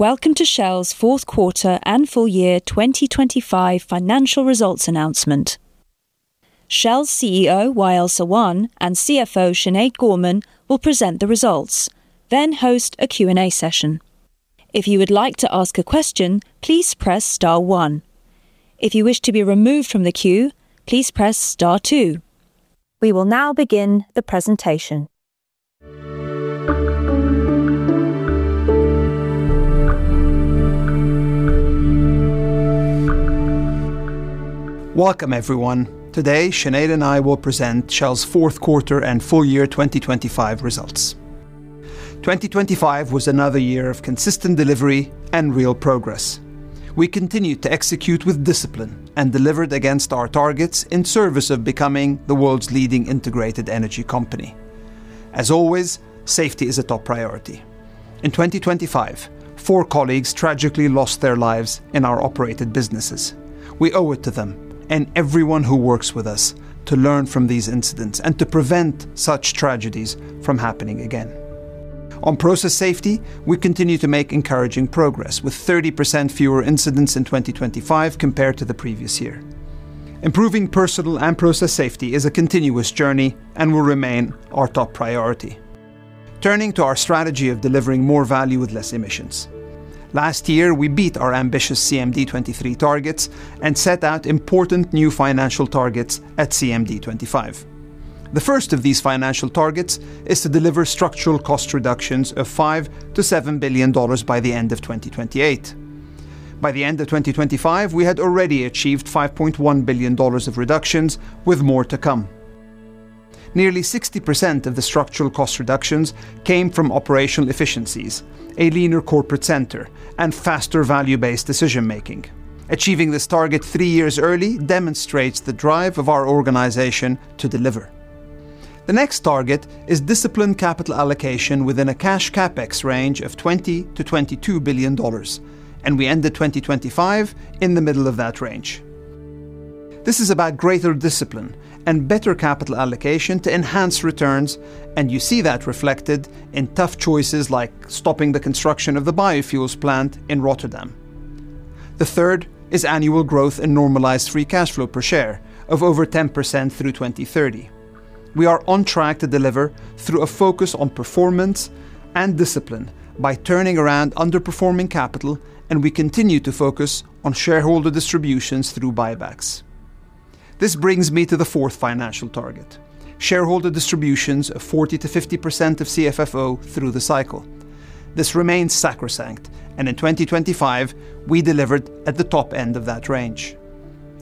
Welcome to Shell's fourth quarter and full year 2025 financial results announcement. Shell's CEO, Wael Sawan, and CFO, Sinead Gorman, will present the results, then host a Q&A session. If you would like to ask a question, please press star one. If you wish to be removed from the queue, please press star two. We will now begin the presentation. Welcome, everyone. Today, Sinead and I will present Shell's fourth quarter and full year 2025 results. 2025 was another year of consistent delivery and real progress. We continued to execute with discipline and delivered against our targets in service of becoming the world's leading integrated energy company. As always, safety is a top priority. In 2025, four colleagues tragically lost their lives in our operated businesses. We owe it to them and everyone who works with us to learn from these incidents and to prevent such tragedies from happening again. On process safety, we continue to make encouraging progress, with 30% fewer incidents in 2025 compared to the previous year. Improving personal and process safety is a continuous journey and will remain our top priority. Turning to our strategy of delivering more value with less emissions. Last year, we beat our ambitious CMD23 targets and set out important new financial targets at CMD25. The first of these financial targets is to deliver structural cost reductions of $5 billion-$7 billion by the end of 2028. By the end of 2025, we had already achieved $5.1 billion of reductions, with more to come. Nearly 60% of the structural cost reductions came from operational efficiencies, a leaner corporate center, and faster value-based decision making. Achieving this target three years early demonstrates the drive of our organization to deliver. The next target is disciplined capital allocation within a cash CapEx range of $20 billion-$22 billion, and we ended 2025 in the middle of that range. This is about greater discipline and better capital allocation to enhance returns, and you see that reflected in tough choices like stopping the construction of the biofuels plant in Rotterdam. The third is annual growth in normalized free cash flow per share of over 10% through 2030. We are on track to deliver through a focus on performance and discipline by turning around underperforming capital, and we continue to focus on shareholder distributions through buybacks. This brings me to the fourth financial target: shareholder distributions of 40%-50% of CFFO through the cycle. This remains sacrosanct, and in 2025, we delivered at the top end of that range.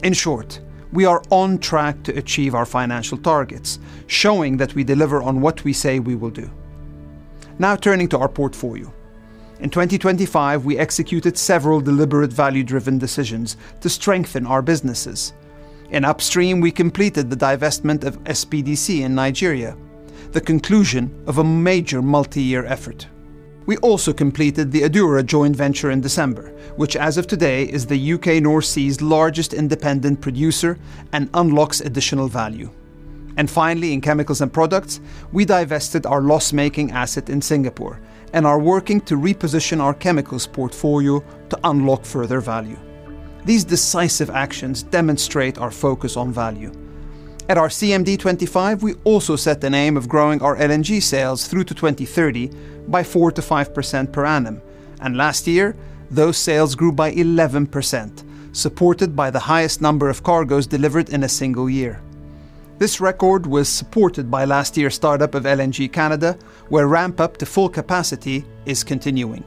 In short, we are on track to achieve our financial targets, showing that we deliver on what we say we will do. Now, turning to our portfolio. In 2025, we executed several deliberate value-driven decisions to strengthen our businesses. In Upstream, we completed the divestment of SPDC in Nigeria, the conclusion of a major multi-year effort. We also completed the Adura joint venture in December, which, as of today, is the U.K. North Sea's largest independent producer and unlocks additional value. And finally, in Chemicals and Products, we divested our loss-making asset in Singapore and are working to reposition our chemicals portfolio to unlock further value. These decisive actions demonstrate our focus on value. At our CMD25, we also set the aim of growing our LNG sales through to 2030 by 4%-5% per annum, and last year, those sales grew by 11%, supported by the highest number of cargoes delivered in a single year. This record was supported by last year's startup of LNG Canada, where ramp-up to full capacity is continuing.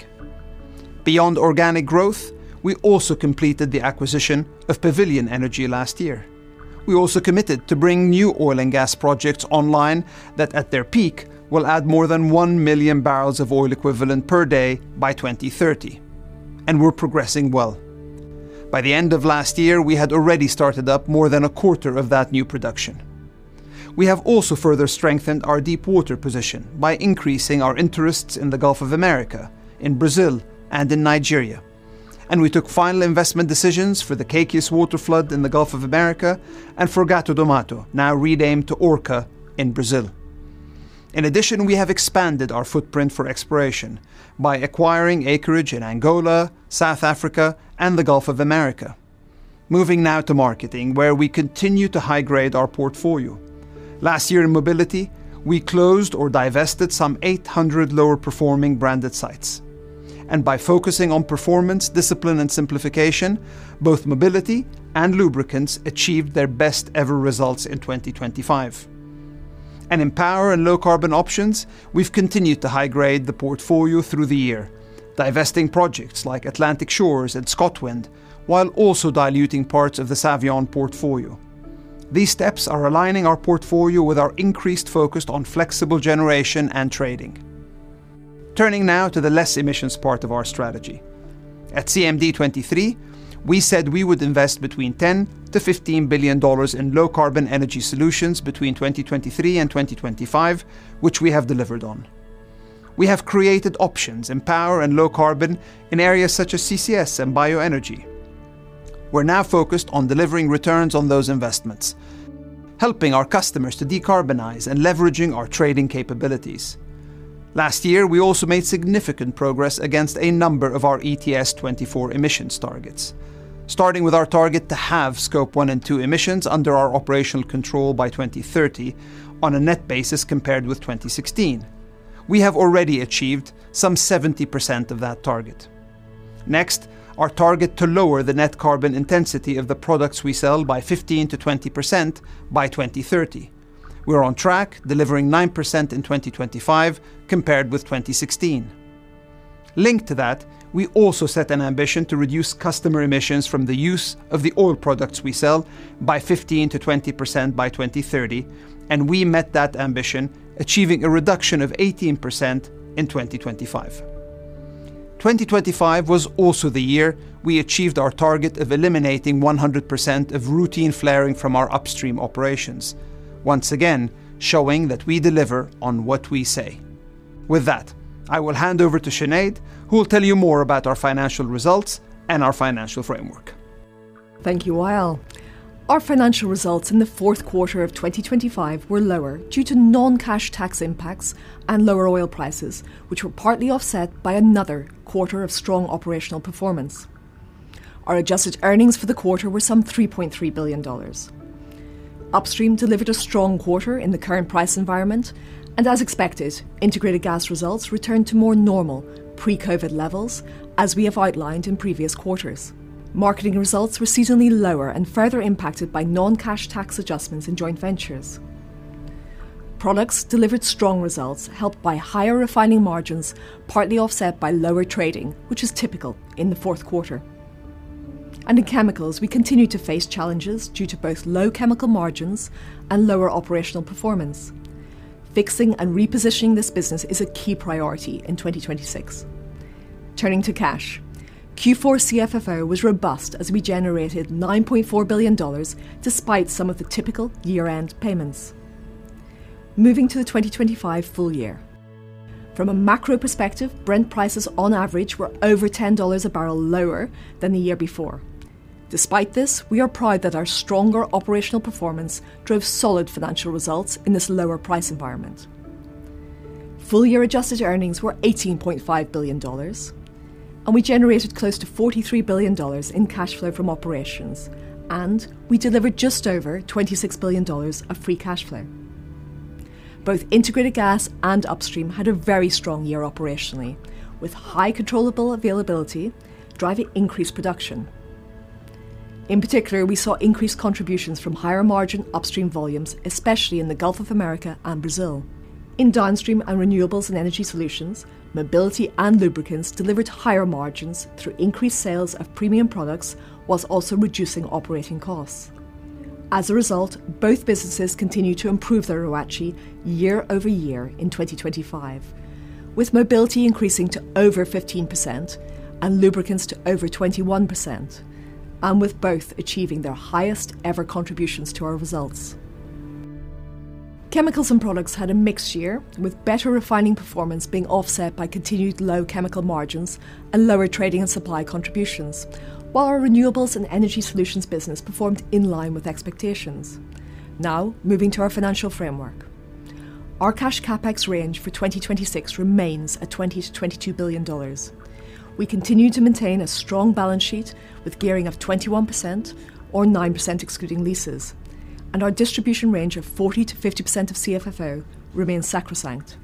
Beyond organic growth, we also completed the acquisition of Pavilion Energy last year. We also committed to bring new oil and gas projects online that, at their peak, will add more than 1 million bbl of oil equivalent per day by 2030, and we're progressing well. By the end of last year, we had already started up more than a quarter of that new production. We have also further strengthened our deepwater position by increasing our interests in the Gulf of Mexico, in Brazil, and in Nigeria, and we took final investment decisions for the Kaikias water flood in the Gulf of Mexico and for Gato do Mato, now renamed to Orca, in Brazil. In addition, we have expanded our footprint for exploration by acquiring acreage in Angola, South Africa, and the Gulf of Mexico. Moving now to marketing, where we continue to high-grade our portfolio. Last year in mobility, we closed or divested some 800 lower-performing branded sites, and by focusing on performance, discipline, and simplification, both mobility and lubricants achieved their best-ever results in 2025. And in power and low-carbon options, we've continued to high-grade the portfolio through the year, divesting projects like Atlantic Shores and ScotWind, while also diluting parts of the Savion portfolio. These steps are aligning our portfolio with our increased focus on flexible generation and trading. Turning now to the low emissions part of our strategy. At CMD23, we said we would invest between $10 billion-$15 billion in low-carbon energy solutions between 2023 and 2025, which we have delivered on. We have created options in power and low carbon in areas such as CCS and bioenergy. We're now focused on delivering returns on those investments, helping our customers to decarbonize and leveraging our trading capabilities. Last year, we also made significant progress against a number of our ETS24 emissions targets, starting with our target to have Scope 1 and 2 emissions under our operational control by 2030, on a net basis, compared with 2016. We have already achieved some 70% of that target. Next, our target to lower the net carbon intensity of the products we sell by 15%-20% by 2030. We're on track, delivering 9% in 2025, compared with 2016. Linked to that, we also set an ambition to reduce customer emissions from the use of the oil products we sell by 15%-20% by 2030, and we met that ambition, achieving a reduction of 18% in 2025. 2025 was also the year we achieved our target of eliminating 100% of routine flaring from our upstream operations. Once again, showing that we deliver on what we say. With that, I will hand over to Sinead, who will tell you more about our financial results and our financial framework. Thank you, Wael. Our financial results in the fourth quarter of 2025 were lower, due to non-cash tax impacts and lower oil prices, which were partly offset by another quarter of strong operational performance. Our adjusted earnings for the quarter were some $3.3 billion. Upstream delivered a strong quarter in the current price environment, and as expected, integrated gas results returned to more normal pre-COVID levels, as we have outlined in previous quarters. Marketing results were seasonally lower and further impacted by non-cash tax adjustments in joint ventures. Products delivered strong results, helped by higher refining margins, partly offset by lower trading, which is typical in the fourth quarter. And in chemicals, we continue to face challenges due to both low chemical margins and lower operational performance. Fixing and repositioning this business is a key priority in 2026. Turning to cash, Q4 CFFO was robust as we generated $9.4 billion, despite some of the typical year-end payments. Moving to the 2025 full year. From a macro perspective, Brent prices on average were over $10 a barrel lower than the year before. Despite this, we are proud that our stronger operational performance drove solid financial results in this lower price environment. Full year adjusted earnings were $18.5 billion, and we generated close to $43 billion in cash flow from operations, and we delivered just over $26 billion of free cash flow. Both integrated gas and upstream had a very strong year operationally, with high controllable availability, driving increased production. In particular, we saw increased contributions from higher margin upstream volumes, especially in the Gulf of Mexico and Brazil. In Downstream and Renewables and Energy Solutions, mobility and lubricants delivered higher margins through increased sales of premium products, while also reducing operating costs. As a result, both businesses continued to improve their ROACE year-over-year in 2025, with mobility increasing to over 15% and lubricants to over 21%, and with both achieving their highest ever contributions to our results. Chemicals and products had a mixed year, with better refining performance being offset by continued low chemical margins and lower trading and supply contributions, while our renewables and energy solutions business performed in line with expectations. Now, moving to our financial framework. Our cash CapEx range for 2026 remains at $20 billion-$22 billion. We continue to maintain a strong balance sheet with gearing of 21% or 9%, excluding leases, and our distribution range of 40%-50% of CFFO remains sacrosanct.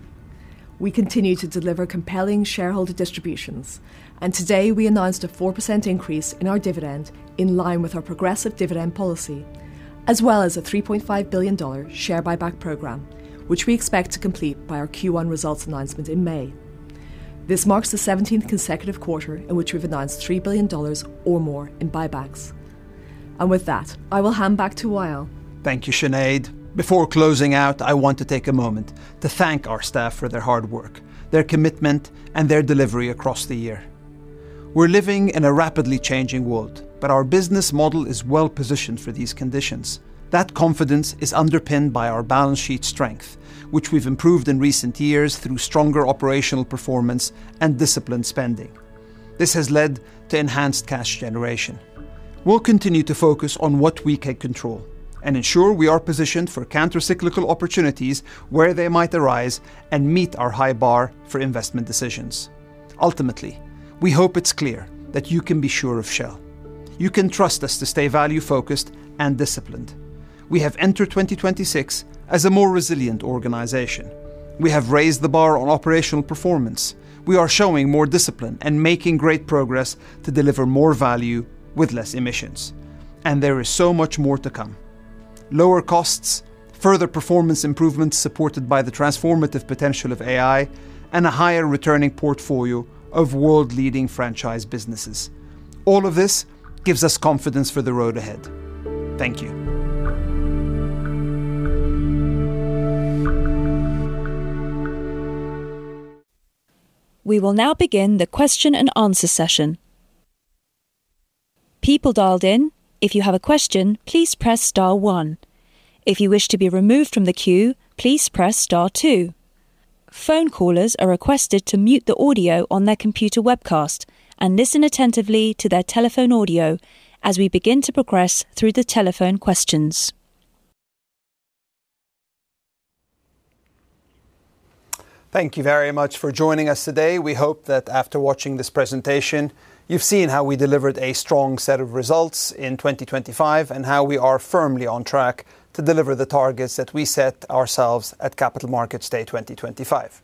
We continue to deliver compelling shareholder distributions, and today we announced a 4% increase in our dividend, in line with our progressive dividend policy, as well as a $3.5 billion share buyback program, which we expect to complete by our Q1 results announcement in May. This marks the 17th consecutive quarter in which we've announced $3 billion or more in buybacks. And with that, I will hand back to Wael. Thank you, Sinead. Before closing out, I want to take a moment to thank our staff for their hard work, their commitment, and their delivery across the year. We're living in a rapidly changing world, but our business model is well-positioned for these conditions. That confidence is underpinned by our balance sheet strength, which we've improved in recent years through stronger operational performance and disciplined spending. This has led to enhanced cash generation. We'll continue to focus on what we can control and ensure we are positioned for countercyclical opportunities where they might arise and meet our high bar for investment decisions. Ultimately, we hope it's clear that you can be sure of Shell. You can trust us to stay value-focused and disciplined. We have entered 2026 as a more resilient organization. We have raised the bar on operational performance. We are showing more discipline and making great progress to deliver more value with less emissions, and there is so much more to come. Lower costs, further performance improvements supported by the transformative potential of AI, and a higher returning portfolio of world-leading franchise businesses. All of this gives us confidence for the road ahead. Thank you. We will now begin the question and answer session. People dialed in, if you have a question, please press star one. If you wish to be removed from the queue, please press star two. ...Phone callers are requested to mute the audio on their computer webcast and listen attentively to their telephone audio as we begin to progress through the telephone questions. Thank you very much for joining us today. We hope that after watching this presentation, you've seen how we delivered a strong set of results in 2025 and how we are firmly on track to deliver the targets that we set ourselves at Capital Markets Day 2025.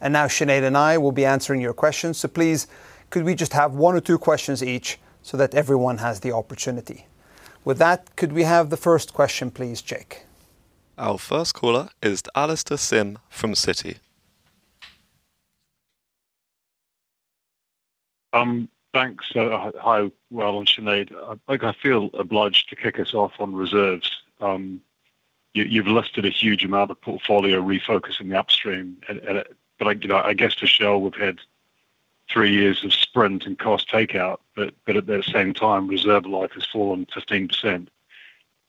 And now, Sinead and I will be answering your questions. So please, could we just have one or two questions each so that everyone has the opportunity? With that, could we have the first question, please, Jake? Our first caller is Alastair Syme from Citi. Thanks. Hi, Wael and Sinead. I feel obliged to kick us off on reserves. You’ve listed a huge amount of portfolio refocus in the upstream, and, but I, you know, I guess to show we’ve had three years of sprint and cost takeout, but at the same time, reserve life has fallen 15%.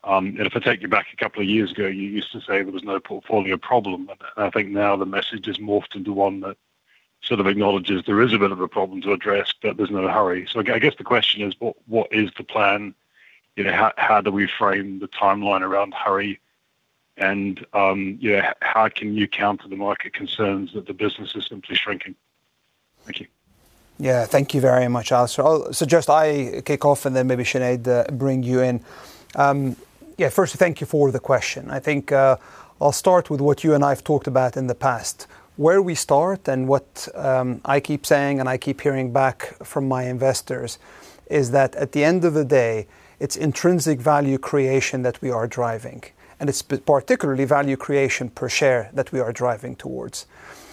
And if I take you back a couple of years ago, you used to say there was no portfolio problem, and I think now the message has morphed into one that sort of acknowledges there is a bit of a problem to address, but there’s no hurry. So I guess the question is: what is the plan? You know, how do we frame the timeline around hurry, and, yeah, how can you counter the market concerns that the business is simply shrinking? Thank you. Yeah. Thank you very much, Alastair. I'll suggest I kick off, and then maybe, Sinead, bring you in. Yeah, first, thank you for the question. I think, I'll start with what you and I have talked about in the past. Where we start and what, I keep saying, and I keep hearing back from my investors, is that at the end of the day, it's intrinsic value creation that we are driving, and it's particularly value creation per share that we are driving towards.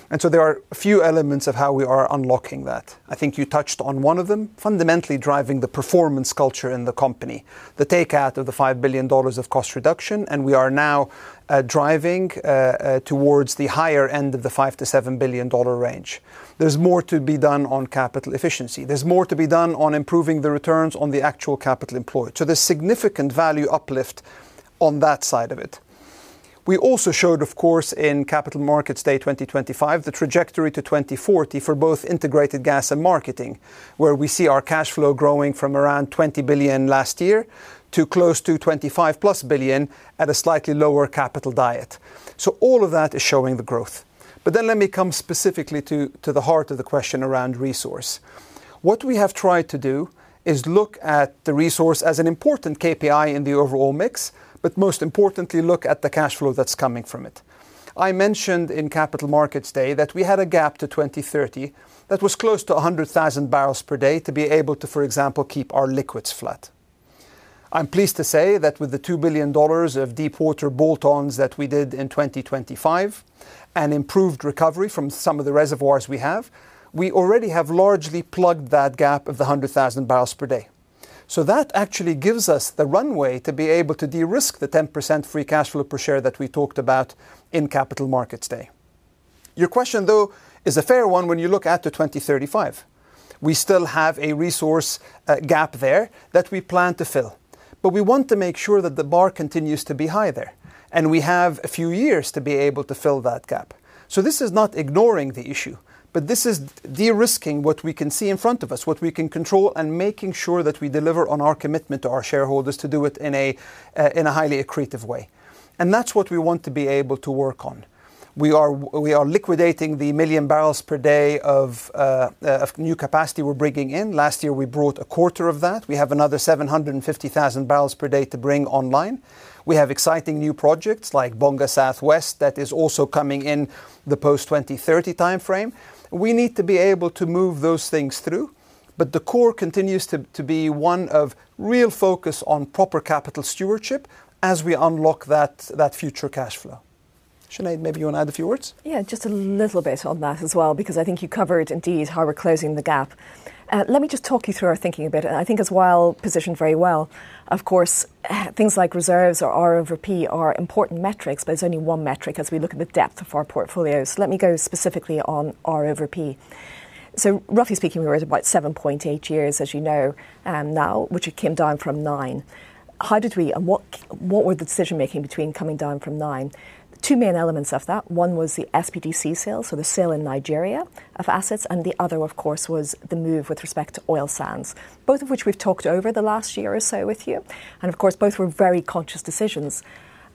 And so there are a few elements of how we are unlocking that. I think you touched on one of them, fundamentally driving the performance culture in the company, the takeout of the $5 billion of cost reduction, and we are now driving towards the higher end of the $5 billion-$7 billion range. There's more to be done on capital efficiency. There's more to be done on improving the returns on the actual capital employed. So there's significant value uplift on that side of it. We also showed, of course, in Capital Markets Day 2025, the trajectory to 2040 for both integrated gas and marketing, where we see our cash flow growing from around $20 billion last year to close to $25+ billion at a slightly lower capital diet. So all of that is showing the growth. But then let me come specifically to, to the heart of the question around resource. What we have tried to do is look at the resource as an important KPI in the overall mix, but most importantly, look at the cash flow that's coming from it. I mentioned in Capital Markets Day that we had a gap to 2030 that was close to 100,000 bbl per day to be able to, for example, keep our liquids flat. I'm pleased to say that with the $2 billion of deepwater bolt-ons that we did in 2025, and improved recovery from some of the reservoirs we have, we already have largely plugged that gap of the 100,000 bbl per day. So that actually gives us the runway to be able to de-risk the 10% free cash flow per share that we talked about in Capital Markets Day. Your question, though, is a fair one when you look out to 2035. We still have a resource gap there that we plan to fill, but we want to make sure that the bar continues to be high there, and we have a few years to be able to fill that gap. So this is not ignoring the issue, but this is de-risking what we can see in front of us, what we can control, and making sure that we deliver on our commitment to our shareholders to do it in a highly accretive way. And that's what we want to be able to work on. We are liquidating 1 million bbl per day of new capacity we're bringing in. Last year, we brought a quarter of that. We have another 750,000 bbl per day to bring online. We have exciting new projects like Bonga South West that is also coming in the post-2030 timeframe. We need to be able to move those things through, but the core continues to, to be one of real focus on proper capital stewardship as we unlock that, that future cash flow. Sinead, maybe you want to add a few words? Yeah, just a little bit on that as well, because I think you covered indeed how we're closing the gap. Let me just talk you through our thinking a bit. And I think as Wael positioned very well, of course, things like reserves or R over P are important metrics, but it's only one metric as we look at the depth of our portfolio. So let me go specifically on R over P. So roughly speaking, we're at about 7.8 years, as you know, now, which it came down from nine. How did we and what were the decision-making between coming down from nine? Two main elements of that. One was the SPDC sale, so the sale in Nigeria of assets, and the other, of course, was the move with respect to oil sands, both of which we've talked over the last year or so with you. And of course, both were very conscious decisions.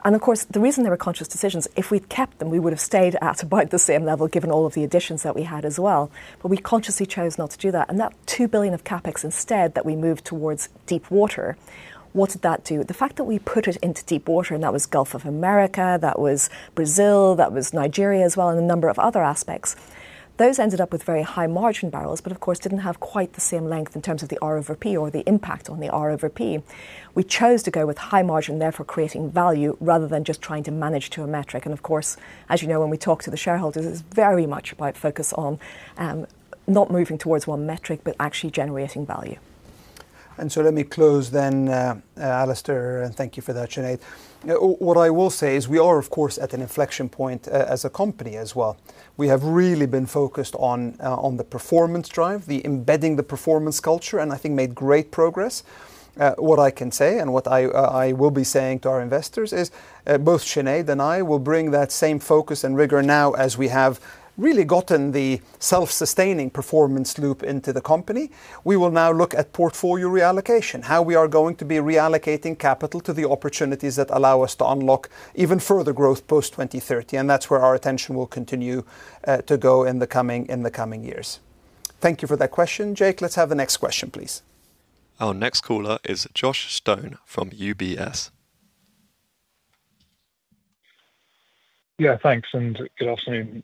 And of course, the reason they were conscious decisions, if we'd kept them, we would have stayed at about the same level, given all of the additions that we had as well. But we consciously chose not to do that, and that $2 billion of CapEx instead, that we moved towards deep water. What did that do? The fact that we put it into deep water, and that was Gulf of Mexico, that was Brazil, that was Nigeria as well, and a number of other aspects, those ended up with very high-margin barrels, but of course, didn't have quite the same length in terms of the R over P or the impact on the R over P. We chose to go with high margin, therefore, creating value rather than just trying to manage to a metric. Of course, as you know, when we talk to the shareholders, it's very much about focus on, not moving towards one metric, but actually generating value. ... And so let me close then, Alistair, and thank you for that, Sinead. What I will say is we are, of course, at an inflection point as a company as well. We have really been focused on the performance drive, the embedding the performance culture, and I think made great progress. What I can say, and what I will be saying to our investors is, both Sinead and I will bring that same focus and rigor now as we have really gotten the self-sustaining performance loop into the company. We will now look at portfolio reallocation, how we are going to be reallocating capital to the opportunities that allow us to unlock even further growth post-2030, and that's where our attention will continue to go in the coming years. Thank you for that question, Jake. Let's have the next question, please. Our next caller is Josh Stone from UBS. Yeah, thanks, and good afternoon.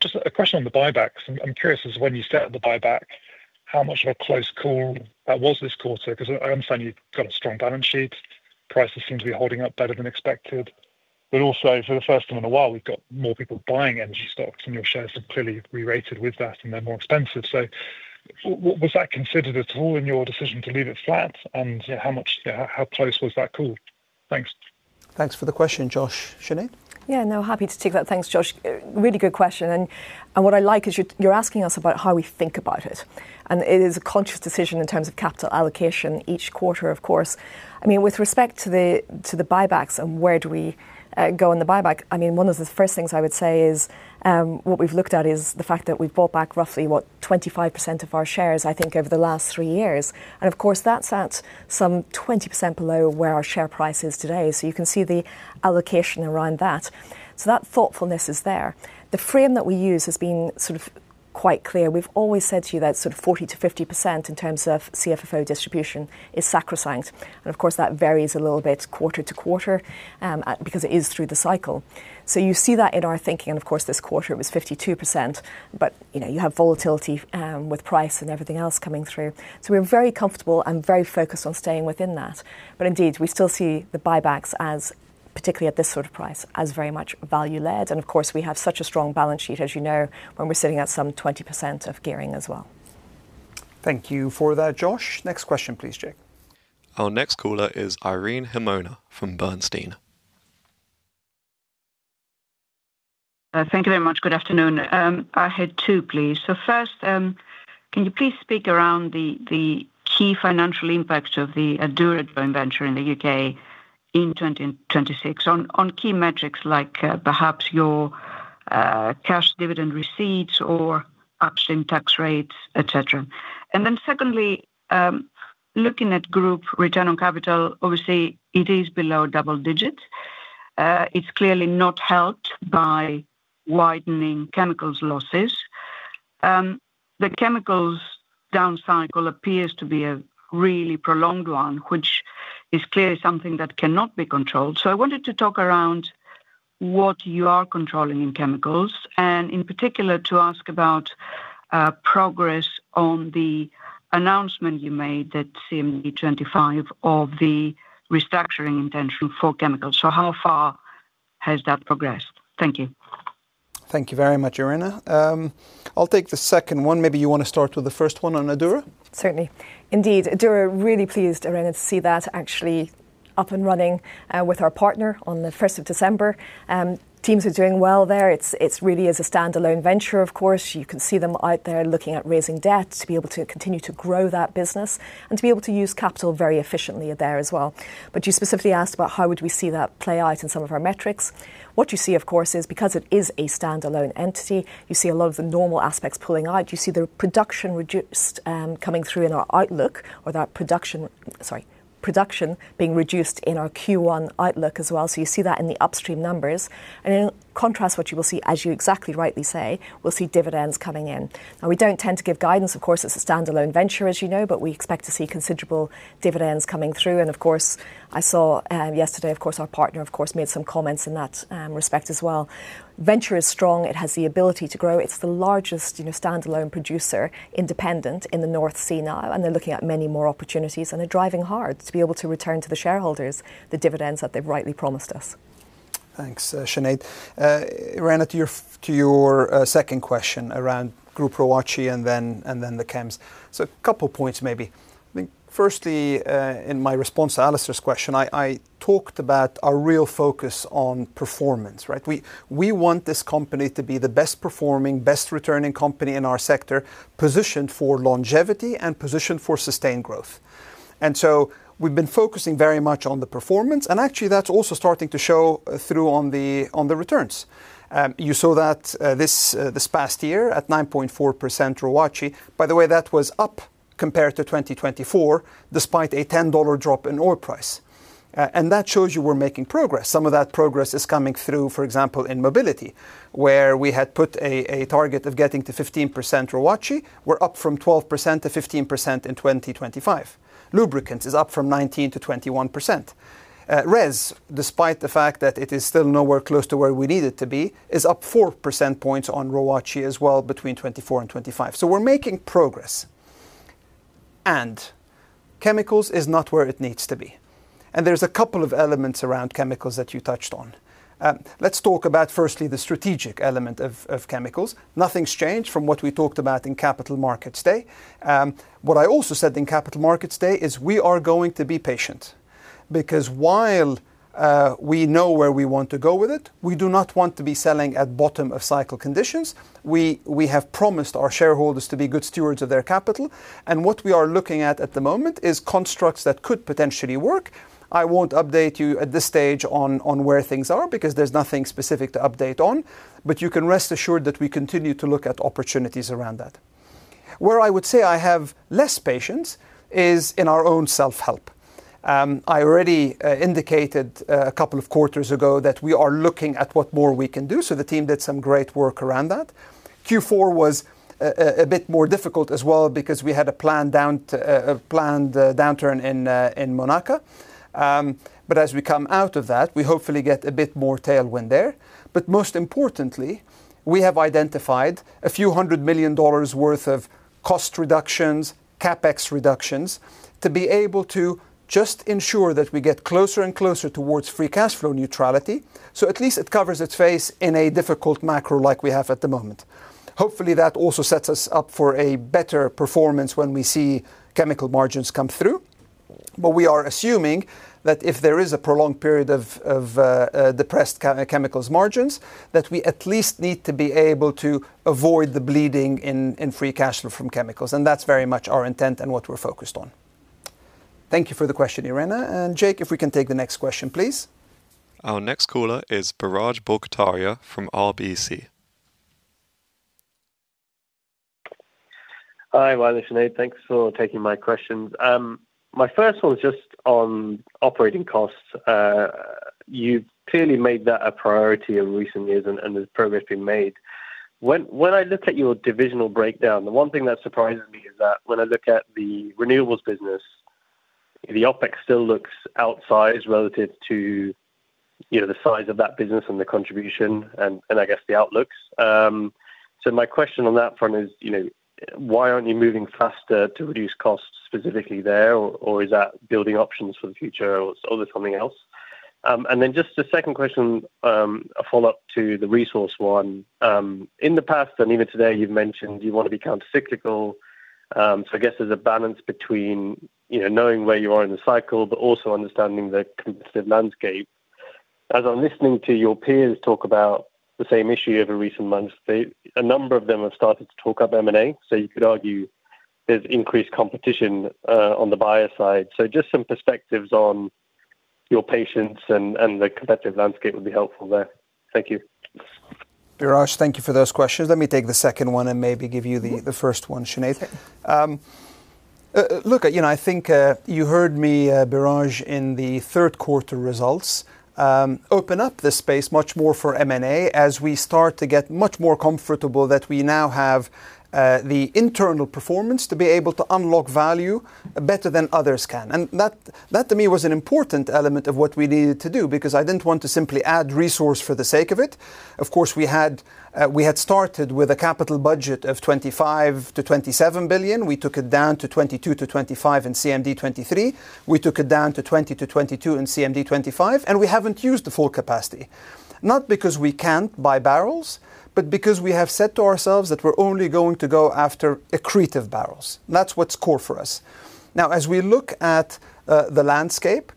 Just a question on the buybacks. I'm curious as when you set up the buyback, how much of a close call that was this quarter? 'Cause I understand you've got a strong balance sheet. Prices seem to be holding up better than expected. But also, for the first time in a while, we've got more people buying energy stocks, and your shares have clearly rerated with that, and they're more expensive. So was that considered at all in your decision to leave it flat? And how much, how close was that call? Thanks. Thanks for the question, Josh. Sinead? Yeah, no, happy to take that. Thanks, Josh. Really good question, and, and what I like is you're, you're asking us about how we think about it. And it is a conscious decision in terms of capital allocation each quarter, of course. I mean, with respect to the, to the buybacks and where do we go in the buyback, I mean, one of the first things I would say is what we've looked at is the fact that we've bought back roughly, what, 25% of our shares, I think, over the last three years. And of course, that's at some 20% below where our share price is today. So you can see the allocation around that. So that thoughtfulness is there. The frame that we use has been sort of quite clear. We've always said to you that sort of 40%-50% in terms of CFFO distribution is sacrosanct. And of course, that varies a little bit quarter to quarter, because it is through the cycle. So you see that in our thinking, and of course, this quarter it was 52%, but, you know, you have volatility with price and everything else coming through. So we're very comfortable and very focused on staying within that. But indeed, we still see the buybacks as, particularly at this sort of price, as very much value-led. And of course, we have such a strong balance sheet, as you know, when we're sitting at some 20% of gearing as well. Thank you for that, Josh. Next question, please, Jake. Our next caller is Irene Himona from Bernstein. Thank you very much. Good afternoon. I had two, please. First, can you please speak around the key financial impacts of the Adura joint venture in the U.K. in 2026 on key metrics like, perhaps your cash dividend receipts or upstream tax rates, etc. And then secondly, looking at group return on capital, obviously, it is below double digits. It's clearly not helped by widening chemicals losses. The chemicals downcycle appears to be a really prolonged one, which is clearly something that cannot be controlled. I wanted to talk around what you are controlling in chemicals, and in particular, to ask about progress on the announcement you made at CMD25 of the restructuring intention for chemicals. So how far has that progressed? Thank you. Thank you very much, Irene. I'll take the second one. Maybe you want to start with the first one on Adura? Certainly. Indeed, Adura, really pleased, Irene, to see that actually up and running with our partner on the first of December. Teams are doing well there. It's, it's really is a standalone venture, of course. You can see them out there looking at raising debt to be able to continue to grow that business and to be able to use capital very efficiently there as well. But you specifically asked about how would we see that play out in some of our metrics. What you see, of course, is because it is a standalone entity, you see a lot of the normal aspects pulling out. You see the production reduced coming through in our outlook, or that production... Sorry, production being reduced in our Q1 outlook as well. So you see that in the upstream numbers. In contrast, what you will see, as you exactly rightly say, we'll see dividends coming in. We don't tend to give guidance, of course, it's a standalone venture, as you know, but we expect to see considerable dividends coming through. Of course, I saw yesterday, of course, our partner, of course, made some comments in that respect as well. Venture is strong. It has the ability to grow. It's the largest, you know, standalone producer, independent in the North Sea now, and they're looking at many more opportunities, and they're driving hard to be able to return to the shareholders, the dividends that they've rightly promised us. Thanks, Sinead. Irene, to your second question around group ROACE and then the chems. So a couple points, maybe. I think firstly, in my response to Alastair's question, I talked about our real focus on performance, right? We want this company to be the best performing, best returning company in our sector, positioned for longevity and positioned for sustained growth. And so we've been focusing very much on the performance, and actually, that's also starting to show through on the returns. You saw that this past year at 9.4% ROACE. By the way, that was up compared to 2024, despite a $10 drop in oil price. And that shows you we're making progress. Some of that progress is coming through, for example, in mobility, where we had put a target of getting to 15% ROACE. We're up from 12% to 15% in 2025. Lubricants is up from 19% to 21%. RES, despite the fact that it is still nowhere close to where we need it to be, is up 4 percentage points on ROACE as well between 2024 and 2025. So we're making progress. And chemicals is not where it needs to be. And there's a couple of elements around chemicals that you touched on. Let's talk about firstly, the strategic element of chemicals. Nothing's changed from what we talked about in Capital Markets Day. What I also said in Capital Markets Day is we are going to be patient because while we know where we want to go with it, we do not want to be selling at bottom of cycle conditions. We have promised our shareholders to be good stewards of their capital, and what we are looking at at the moment is constructs that could potentially work. I won't update you at this stage on where things are because there's nothing specific to update on, but you can rest assured that we continue to look at opportunities around that. Where I would say I have less patience is in our own self-help. I already indicated a couple of quarters ago that we are looking at what more we can do, so the team did some great work around that. Q4 was a bit more difficult as well because we had a planned downturn in Monaca. But as we come out of that, we hopefully get a bit more tailwind there. But most importantly, we have identified a few hundred million dollars worth of cost reductions, CapEx reductions, to be able to just ensure that we get closer and closer towards free cash flow neutrality, so at least it covers its face in a difficult macro like we have at the moment. Hopefully, that also sets us up for a better performance when we see chemical margins come through. But we are assuming that if there is a prolonged period of depressed chemicals margins, that we at least need to be able to avoid the bleeding in free cash flow from chemicals, and that's very much our intent and what we're focused on. Thank you for the question, Irene. And Jake, if we can take the next question, please. Our next caller is Biraj Borkhataria from RBC. Hi, Wael and Sinead. Thanks for taking my questions. My first one is just on operating costs. You've clearly made that a priority in recent years, and there's progress being made. When I look at your divisional breakdown, the one thing that surprises me is that when I look at the renewables business, the OpEx still looks outsized relative to, you know, the size of that business and the contribution and I guess the outlooks. So my question on that front is, you know, why aren't you moving faster to reduce costs specifically there, or is that building options for the future, or there's something else? And then just the second question, a follow-up to the resource one. In the past, and even today, you've mentioned you want to be countercyclical. So I guess there's a balance between, you know, knowing where you are in the cycle, but also understanding the competitive landscape. As I'm listening to your peers talk about the same issue over recent months, they... A number of them have started to talk up M&A, so you could argue there's increased competition, on the buyer side. So just some perspectives on your patience and, and the competitive landscape would be helpful there. Thank you. Biraj, thank you for those questions. Let me take the second one and maybe give you the, the first one, Sinead. Look, you know, I think, you heard me, Biraj, in the third quarter results, open up this space much more for M&A as we start to get much more comfortable that we now have, the internal performance to be able to unlock value better than others can. And that, that to me, was an important element of what we needed to do, because I didn't want to simply add resource for the sake of it. Of course, we had, we had started with a capital budget of $25 billion-$27 billion. We took it down to $22 billion-$25 billion in CMD23. We took it down to 20-22 in CMD 25, and we haven't used the full capacity, not because we can't buy barrels, but because we have said to ourselves that we're only going to go after accretive barrels. That's what's core for us. Now, as we look at the landscape,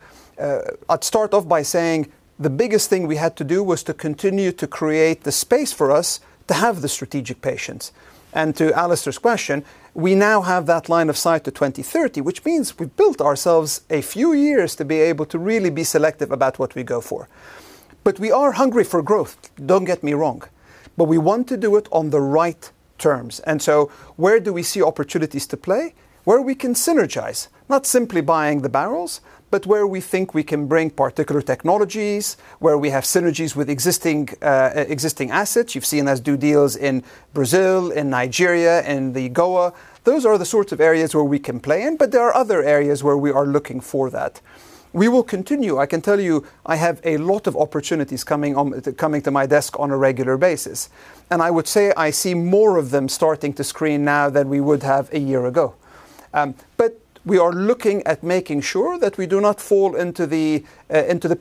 I'd start off by saying the biggest thing we had to do was to continue to create the space for us to have the strategic patience. And to Alastair's question, we now have that line of sight to 2030, which means we built ourselves a few years to be able to really be selective about what we go for. But we are hungry for growth, don't get me wrong, but we want to do it on the right terms. And so where do we see opportunities to play? Where we can synergize, not simply buying the barrels, but where we think we can bring particular technologies, where we have synergies with existing, existing assets. You've seen us do deals in Brazil, in Nigeria, in the Gulf of Mexico. Those are the sorts of areas where we can play in, but there are other areas where we are looking for that. We will continue. I can tell you I have a lot of opportunities coming on, coming to my desk on a regular basis, and I would say I see more of them starting to screen now than we would have a year ago. But we are looking at making sure that we do not fall into the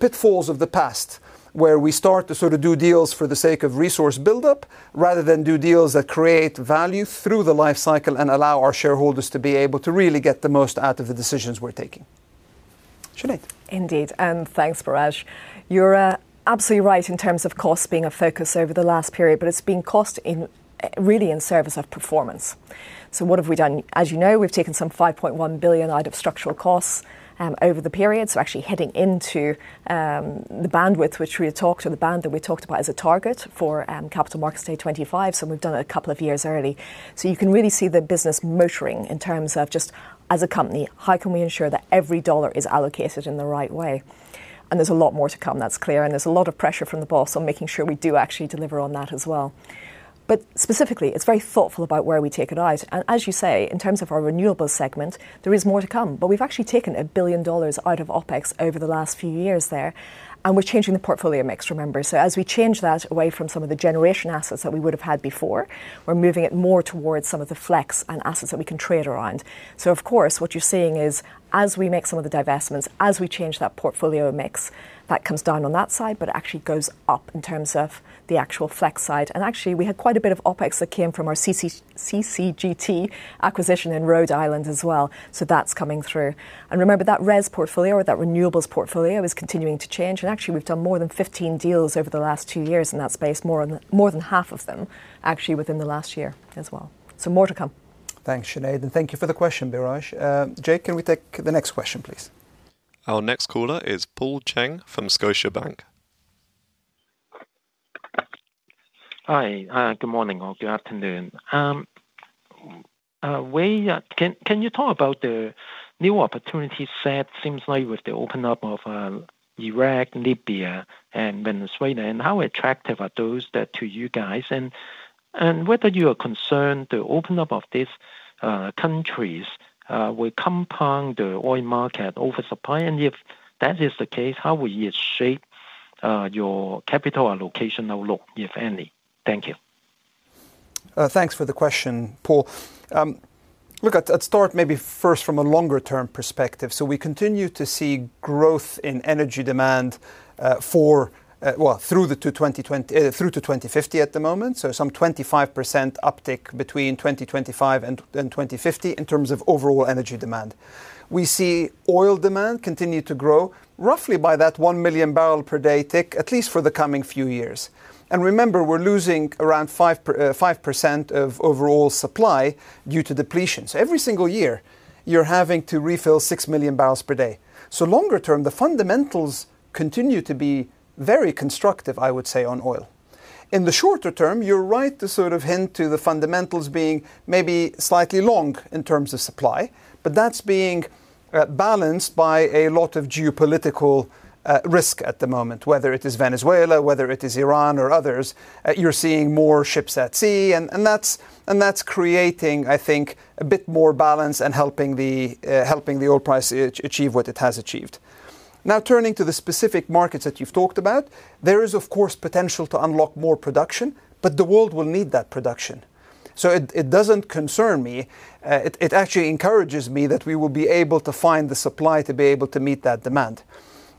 pitfalls of the past, where we start to sort of do deals for the sake of resource buildup, rather than do deals that create value through the life cycle and allow our shareholders to be able to really get the most out of the decisions we're taking. Sinead? Indeed, and thanks, Biraj. You're absolutely right in terms of cost being a focus over the last period, but it's been cost in, really in service of performance. So what have we done? As you know, we've taken some $5.1 billion out of structural costs over the period, so actually heading into the bandwidth which we had talked, or the band that we talked about as a target for Capital Markets Day 2025, so we've done it a couple of years early. So you can really see the business motoring in terms of just, as a company, how can we ensure that every dollar is allocated in the right way? And there's a lot more to come, that's clear, and there's a lot of pressure from the boss on making sure we do actually deliver on that as well. But specifically, it's very thoughtful about where we take it out. And as you say, in terms of our renewables segment, there is more to come. But we've actually taken $1 billion out of OpEx over the last few years there, and we're changing the portfolio mix, remember. So as we change that away from some of the generation assets that we would have had before, we're moving it more towards some of the flex and assets that we can trade around. So of course, what you're seeing is, as we make some of the divestments, as we change that portfolio mix, that comes down on that side, but it actually goes up in terms of the actual flex side. And actually, we had quite a bit of OpEx that came from our CCGT acquisition in Rhode Island as well, so that's coming through. And remember, that RES portfolio or that renewables portfolio is continuing to change, and actually we've done more than 15 deals over the last two years in that space, more than, more than half of them, actually within the last year as well. So more to come. Thanks, Sinead, and thank you for the question, Biraj. Jake, can we take the next question, please? Our next caller is Paul Cheng from Scotiabank. Hi, good morning or good afternoon. Where can you talk about the new opportunity set? Seems like with the open up of Iraq, Libya, and Venezuela, and how attractive are those to you guys? And whether you are concerned the open up of these countries will compound the oil market over supply, and if that is the case, how will you shape your capital allocation outlook, if any? Thank you. Thanks for the question, Paul. Look, let's start maybe first from a longer-term perspective. So we continue to see growth in energy demand, well, through to 2020, through to 2050 at the moment. So some 25% uptick between 2025 and 2050 in terms of overall energy demand. We see oil demand continue to grow, roughly by that 1 million bbl per day tick, at least for the coming few years. And remember, we're losing around 5% of overall supply due to depletion. So every single year, you're having to refill 6 million bbl per day. So longer term, the fundamentals continue to be very constructive, I would say, on oil. In the shorter term, you're right to sort of hint to the fundamentals being maybe slightly long in terms of supply, but that's being balanced by a lot of geopolitical risk at the moment. Whether it is Venezuela, whether it is Iran or others, you're seeing more ships at sea, and that's creating, I think, a bit more balance and helping the oil price achieve what it has achieved. Now, turning to the specific markets that you've talked about, there is, of course, potential to unlock more production, but the world will need that production. So it doesn't concern me, it actually encourages me that we will be able to find the supply to be able to meet that demand.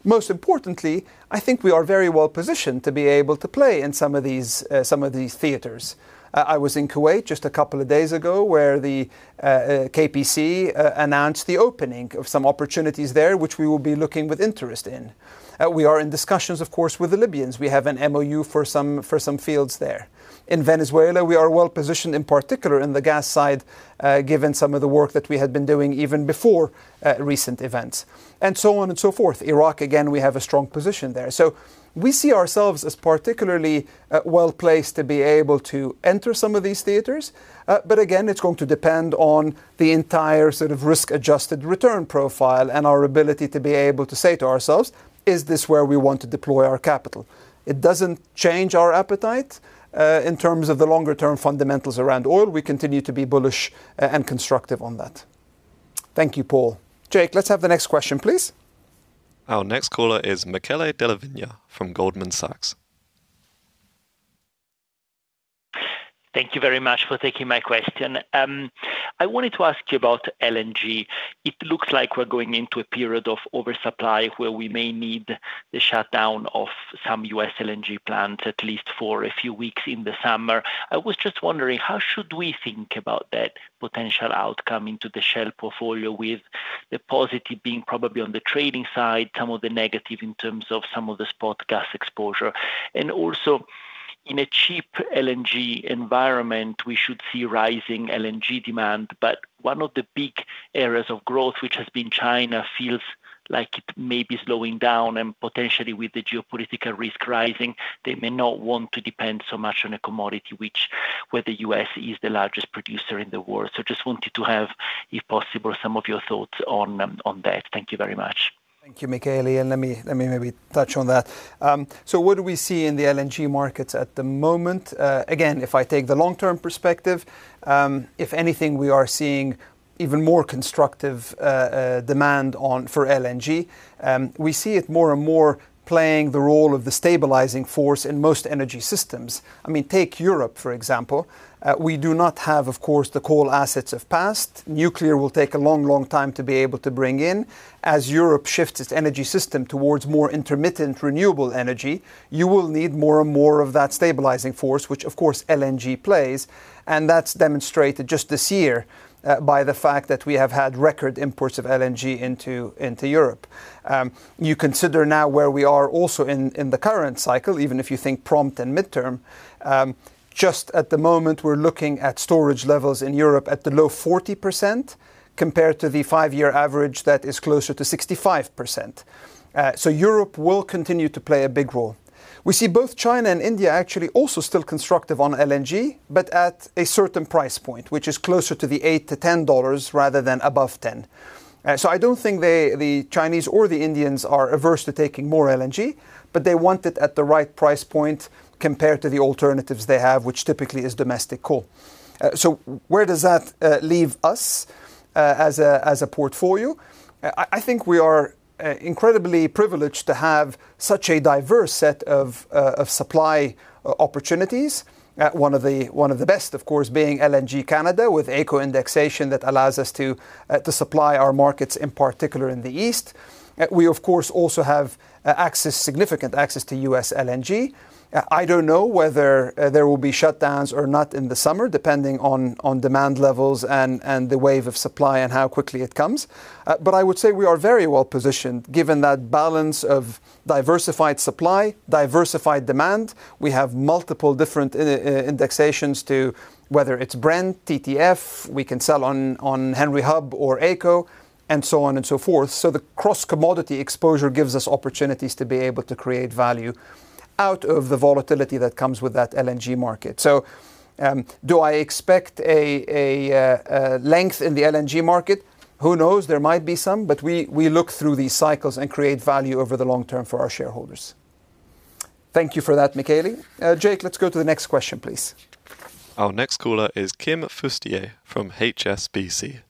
Most importantly, I think we are very well positioned to be able to play in some of these, some of these theaters. I was in Kuwait just a couple of days ago, where the, KPC, announced the opening of some opportunities there, which we will be looking with interest in. We are in discussions, of course, with the Libyans. We have an MOU for some, for some fields there. In Venezuela, we are well positioned, in particular in the gas side, given some of the work that we had been doing even before, recent events, and so on and so forth. Iraq, again, we have a strong position there. So we see ourselves as particularly, well-placed to be able to enter some of these theaters. But again, it's going to depend on the entire sort of risk-adjusted return profile and our ability to be able to say to ourselves, "Is this where we want to deploy our capital?" It doesn't change our appetite. In terms of the longer-term fundamentals around oil, we continue to be bullish and constructive on that. Thank you, Paul. Jake, let's have the next question, please. Our next caller is Michele Della Vigna from Goldman Sachs. Thank you very much for taking my question. I wanted to ask you about LNG. It looks like we're going into a period of oversupply, where we may need the shutdown of some U.S. LNG plants, at least for a few weeks in the summer. I was just wondering, how should we think about that potential outcome into the Shell portfolio, with the positive being probably on the trading side, some of the negative in terms of some of the spot gas exposure? And also, in a cheap LNG environment, we should see rising LNG demand, but one of the big areas of growth, which has been China, feels like it may be slowing down, and potentially with the geopolitical risk rising, they may not want to depend so much on a commodity which... where the U.S. is the largest producer in the world. Just wanted to have, if possible, some of your thoughts on that. Thank you very much. Thank you, Michele, and let me, let me maybe touch on that. So what do we see in the LNG markets at the moment? Again, if I take the long-term perspective, if anything, we are seeing even more constructive demand on, for LNG. We see it more and more playing the role of the stabilizing force in most energy systems. I mean, take Europe, for example. We do not have, of course, the coal assets of past. Nuclear will take a long, long time to be able to bring in. As Europe shifts its energy system towards more intermittent renewable energy, you will need more and more of that stabilizing force, which, of course, LNG plays, and that's demonstrated just this year by the fact that we have had record imports of LNG into, into Europe. You consider now where we are also in the current cycle, even if you think short-term and mid-term, just at the moment, we're looking at storage levels in Europe at the low 40%, compared to the five-year average that is closer to 65%. So Europe will continue to play a big role. We see both China and India actually also still constructive on LNG, but at a certain price point, which is closer to the $8-$10 rather than above $10. So I don't think the Chinese or the Indians are averse to taking more LNG, but they want it at the right price point compared to the alternatives they have, which typically is domestic coal. So where does that leave us as a portfolio? I think we are incredibly privileged to have such a diverse set of of supply opportunities. One of the best, of course, being LNG Canada, with AECO indexation that allows us to supply our markets, in particular in the East. We, of course, also have access, significant access to U.S. LNG. I don't know whether there will be shutdowns or not in the summer, depending on demand levels and the wave of supply and how quickly it comes. But I would say we are very well positioned, given that balance of diversified supply, diversified demand. We have multiple different in indexations to whether it's Brent, TTF, we can sell on Henry Hub or AECO, and so on and so forth. So the cross-commodity exposure gives us opportunities to be able to create value out of the volatility that comes with that LNG market. So, do I expect a length in the LNG market? Who knows? There might be some, but we look through these cycles and create value over the long term for our shareholders. Thank you for that, Michele. Jake, let's go to the next question, please. Our next caller is Kim Fustier from HSBC.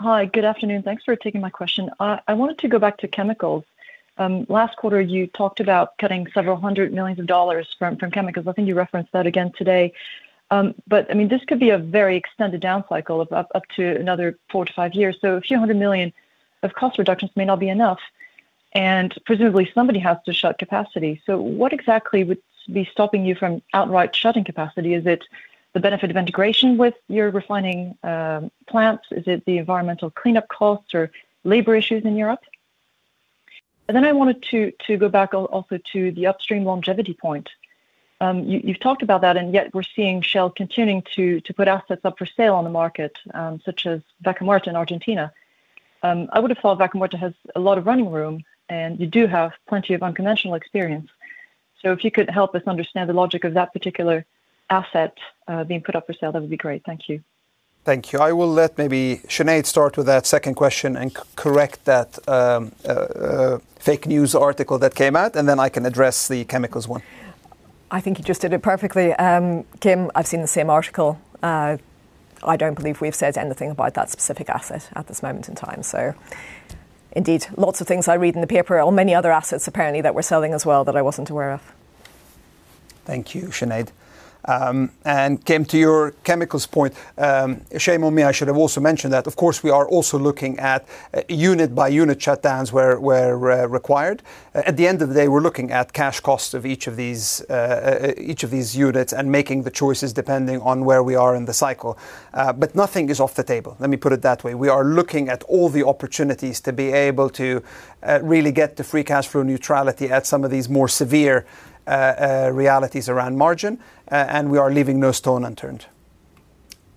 Hi. Good afternoon. Thanks for taking my question. I wanted to go back to chemicals. Last quarter, you talked about cutting several hundred million dollars from chemicals. I think you referenced that again today. But, I mean, this could be a very extended down cycle of up to another four to five years, so a few hundred million of cost reductions may not be enough, and presumably, somebody has to shut capacity. So what exactly would be stopping you from outright shutting capacity? Is it the benefit of integration with your refining plants? Is it the environmental cleanup costs or labor issues in Europe? And then I wanted to go back also to the upstream longevity point. You've talked about that, and yet we're seeing Shell continuing to put assets up for sale on the market, such as Vaca Muerta in Argentina. I would have thought Vaca Muerta has a lot of running room, and you do have plenty of unconventional experience. So if you could help us understand the logic of that particular asset being put up for sale, that would be great. Thank you. Thank you. I will let maybe Sinead start with that second question and correct that fake news article that came out, and then I can address the chemicals one. I think you just did it perfectly. Kim, I've seen the same article. I don't believe we've said anything about that specific asset at this moment in time. So indeed, lots of things I read in the paper, or many other assets, apparently, that we're selling as well that I wasn't aware of. Thank you, Sinead. And Kim, to your chemicals point, shame on me, I should have also mentioned that, of course, we are also looking at unit-by-unit shutdowns where required. At the end of the day, we're looking at cash costs of each of these units and making the choices depending on where we are in the cycle. But nothing is off the table, let me put it that way. We are looking at all the opportunities to be able to really get to free cash flow neutrality at some of these more severe realities around margin, and we are leaving no stone unturned.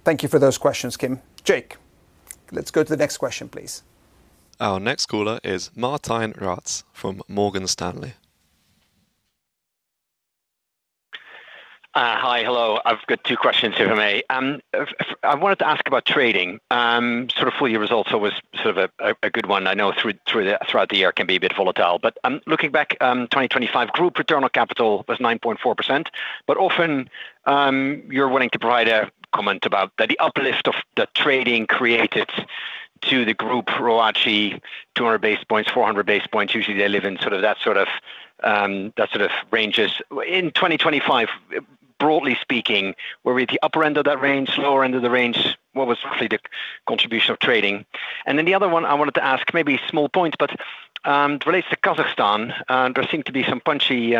Thank you for those questions, Kim. Jake, let's go to the next question, please. Our next caller is Martijn Rats from Morgan Stanley. Hi. Hello. I've got two questions, if I may. I wanted to ask about trading. Sort of full year results, so was sort of a good one. I know throughout the year can be a bit volatile. But looking back, 2025, group return on capital was 9.4%. But often, you're willing to provide a comment about the uplift of the trading created to the group ROACE, 200 base points, 400 base points. Usually, they live in sort of that sort of ranges. In 2025, broadly speaking, were we at the upper end of that range, lower end of the range? What was really the contribution of trading? And then the other one I wanted to ask, maybe a small point, but it relates to Kazakhstan. There seem to be some punchy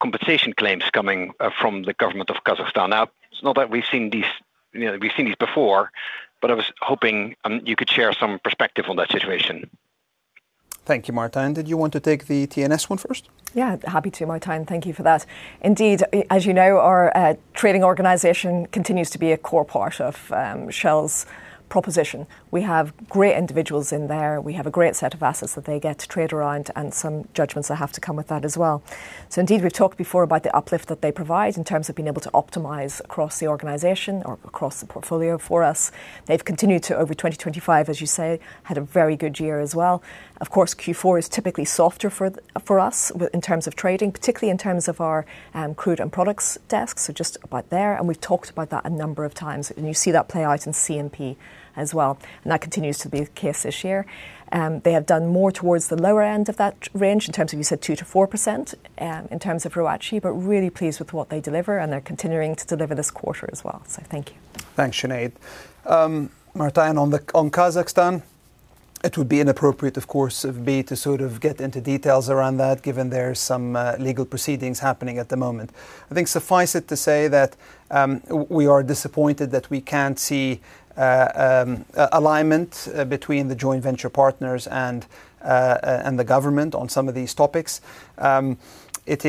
compensation claims coming from the government of Kazakhstan. Now, it's not that we've seen these, you know, we've seen these before, but I was hoping you could share some perspective on that situation. Thank you, Martijn. Did you want to take the T&S one first? Yeah, happy to, Martijn. Thank you for that. Indeed, as you know, our trading organization continues to be a core part of Shell's proposition. We have great individuals in there. We have a great set of assets that they get to trade around, and some judgments that have to come with that as well. So indeed, we've talked before about the uplift that they provide in terms of being able to optimize across the organization or across the portfolio for us. They've continued to, over 2025, as you say, had a very good year as well. Of course, Q4 is typically softer for us in terms of trading, particularly in terms of our crude and products desks, so just about there, and we've talked about that a number of times, and you see that play out in C&P as well, and that continues to be the case this year. They have done more towards the lower end of that range in terms of, you said, 2%-4% in terms of ROACE, but really pleased with what they deliver, and they're continuing to deliver this quarter as well. So thank you. Thanks, Sinead. Martijn, on Kazakhstan, it would be inappropriate, of course, of me to sort of get into details around that, given there are some legal proceedings happening at the moment. I think suffice it to say that we are disappointed that we can't see alignment between the joint venture partners and the government on some of these topics. It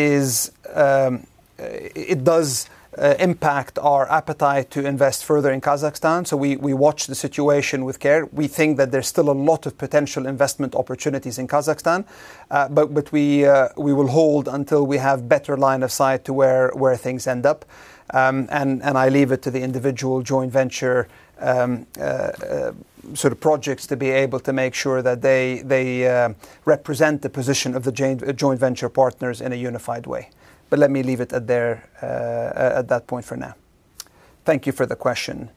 does impact our appetite to invest further in Kazakhstan, so we watch the situation with care. We think that there's still a lot of potential investment opportunities in Kazakhstan, but we will hold until we have better line of sight to where things end up. I leave it to the individual joint venture sort of projects to be able to make sure that they represent the position of the joint venture partners in a unified way. But let me leave it at that, at that point for now. Thank you for the question.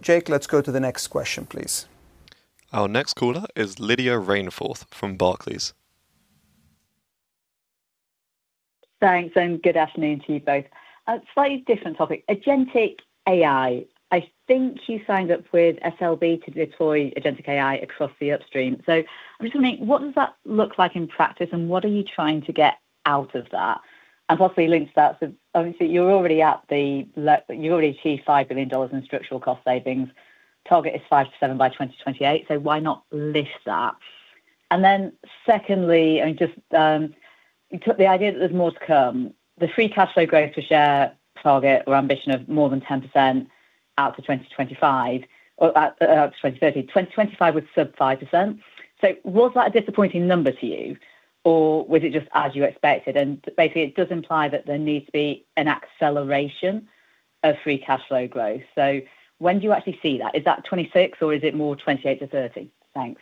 Jake, let's go to the next question, please. Our next caller is Lydia Rainforth from Barclays. Thanks, and good afternoon to you both. A slightly different topic, agentic AI. I think you signed up with SLB to deploy agentic AI across the upstream. So I'm just wondering, what does that look like in practice, and what are you trying to get out of that? And possibly link to that, so obviously, you already achieved $5 billion in structural cost savings. Target is $5 billion-$7 billion by 2028, so why not lift that? And then secondly, I mean, just, you took the idea that there's more to come. The free cash flow growth to share target or ambition of more than 10% out to 2025 or out to 2030. 2025 with sub 5%. So was that a disappointing number to you, or was it just as you expected? And basically, it does imply that there needs to be an acceleration of Free Cash Flow growth. So when do you actually see that? Is that 2026, or is it more 2028 to 2030? Thanks.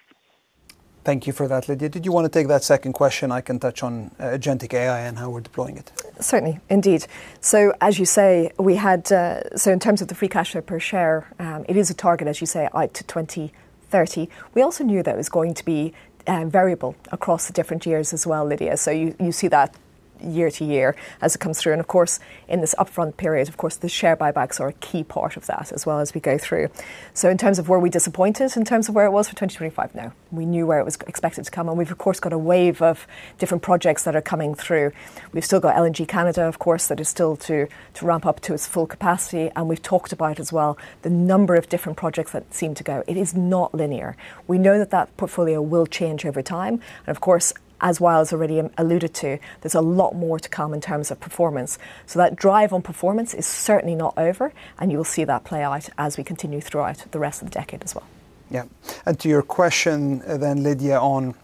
Thank you for that, Lydia. Did you want to take that second question? I can touch on Agentic AI and how we're deploying it. Certainly. Indeed. So as you say, we had. So in terms of the free cash flow per share, it is a target, as you say, out to 2030. We also knew that it was going to be variable across the different years as well, Lydia. So you, you see that year to year as it comes through. And of course, in this upfront period, of course, the share buybacks are a key part of that as well as we go through. So in terms of were we disappointed in terms of where it was for 2025? No. We knew where it was expected to come, and we've of course got a wave of different projects that are coming through. We've still got LNG Canada, of course, that is still to ramp up to its full capacity, and we've talked about as well the number of different projects that seem to go. It is not linear. We know that that portfolio will change over time, and of course, as Wael has already alluded to, there's a lot more to come in terms of performance. So that drive on performance is certainly not over, and you will see that play out as we continue throughout the rest of the decade as well. Yeah. And to your question then, Lydia, on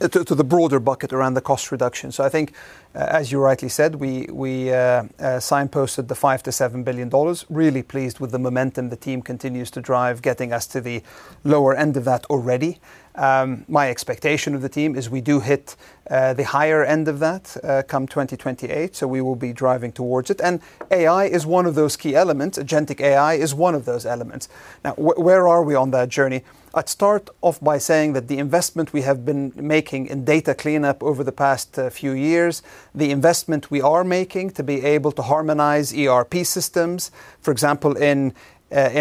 to the broader bucket around the cost reduction. So I think, as you rightly said, we signposted the $5 billion-$7 billion. Really pleased with the momentum the team continues to drive, getting us to the lower end of that already. My expectation of the team is we do hit the higher end of that come 2028, so we will be driving towards it. And AI is one of those key elements. Agentic AI is one of those elements. Now, where are we on that journey? I'd start off by saying that the investment we have been making in data cleanup over the past few years, the investment we are making to be able to harmonize ERP systems, for example, in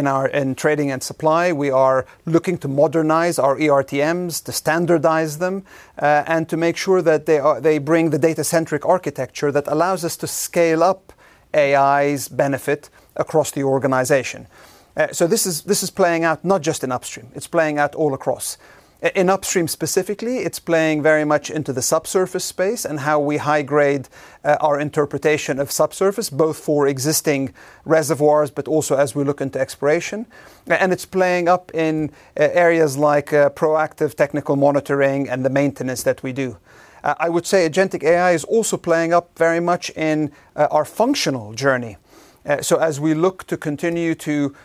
our trading and supply. We are looking to modernize our ERTMs, to standardize them, and to make sure that they bring the data-centric architecture that allows us to scale up AI's benefit across the organization. So this is playing out not just in upstream, it's playing out all across. In upstream, specifically, it's playing very much into the subsurface space and how we high-grade our interpretation of subsurface, both for existing reservoirs, but also as we look into exploration. And it's playing up in areas like proactive technical monitoring and the maintenance that we do. I would say agentic AI is also playing up very much in our functional journey. So as we look to continue to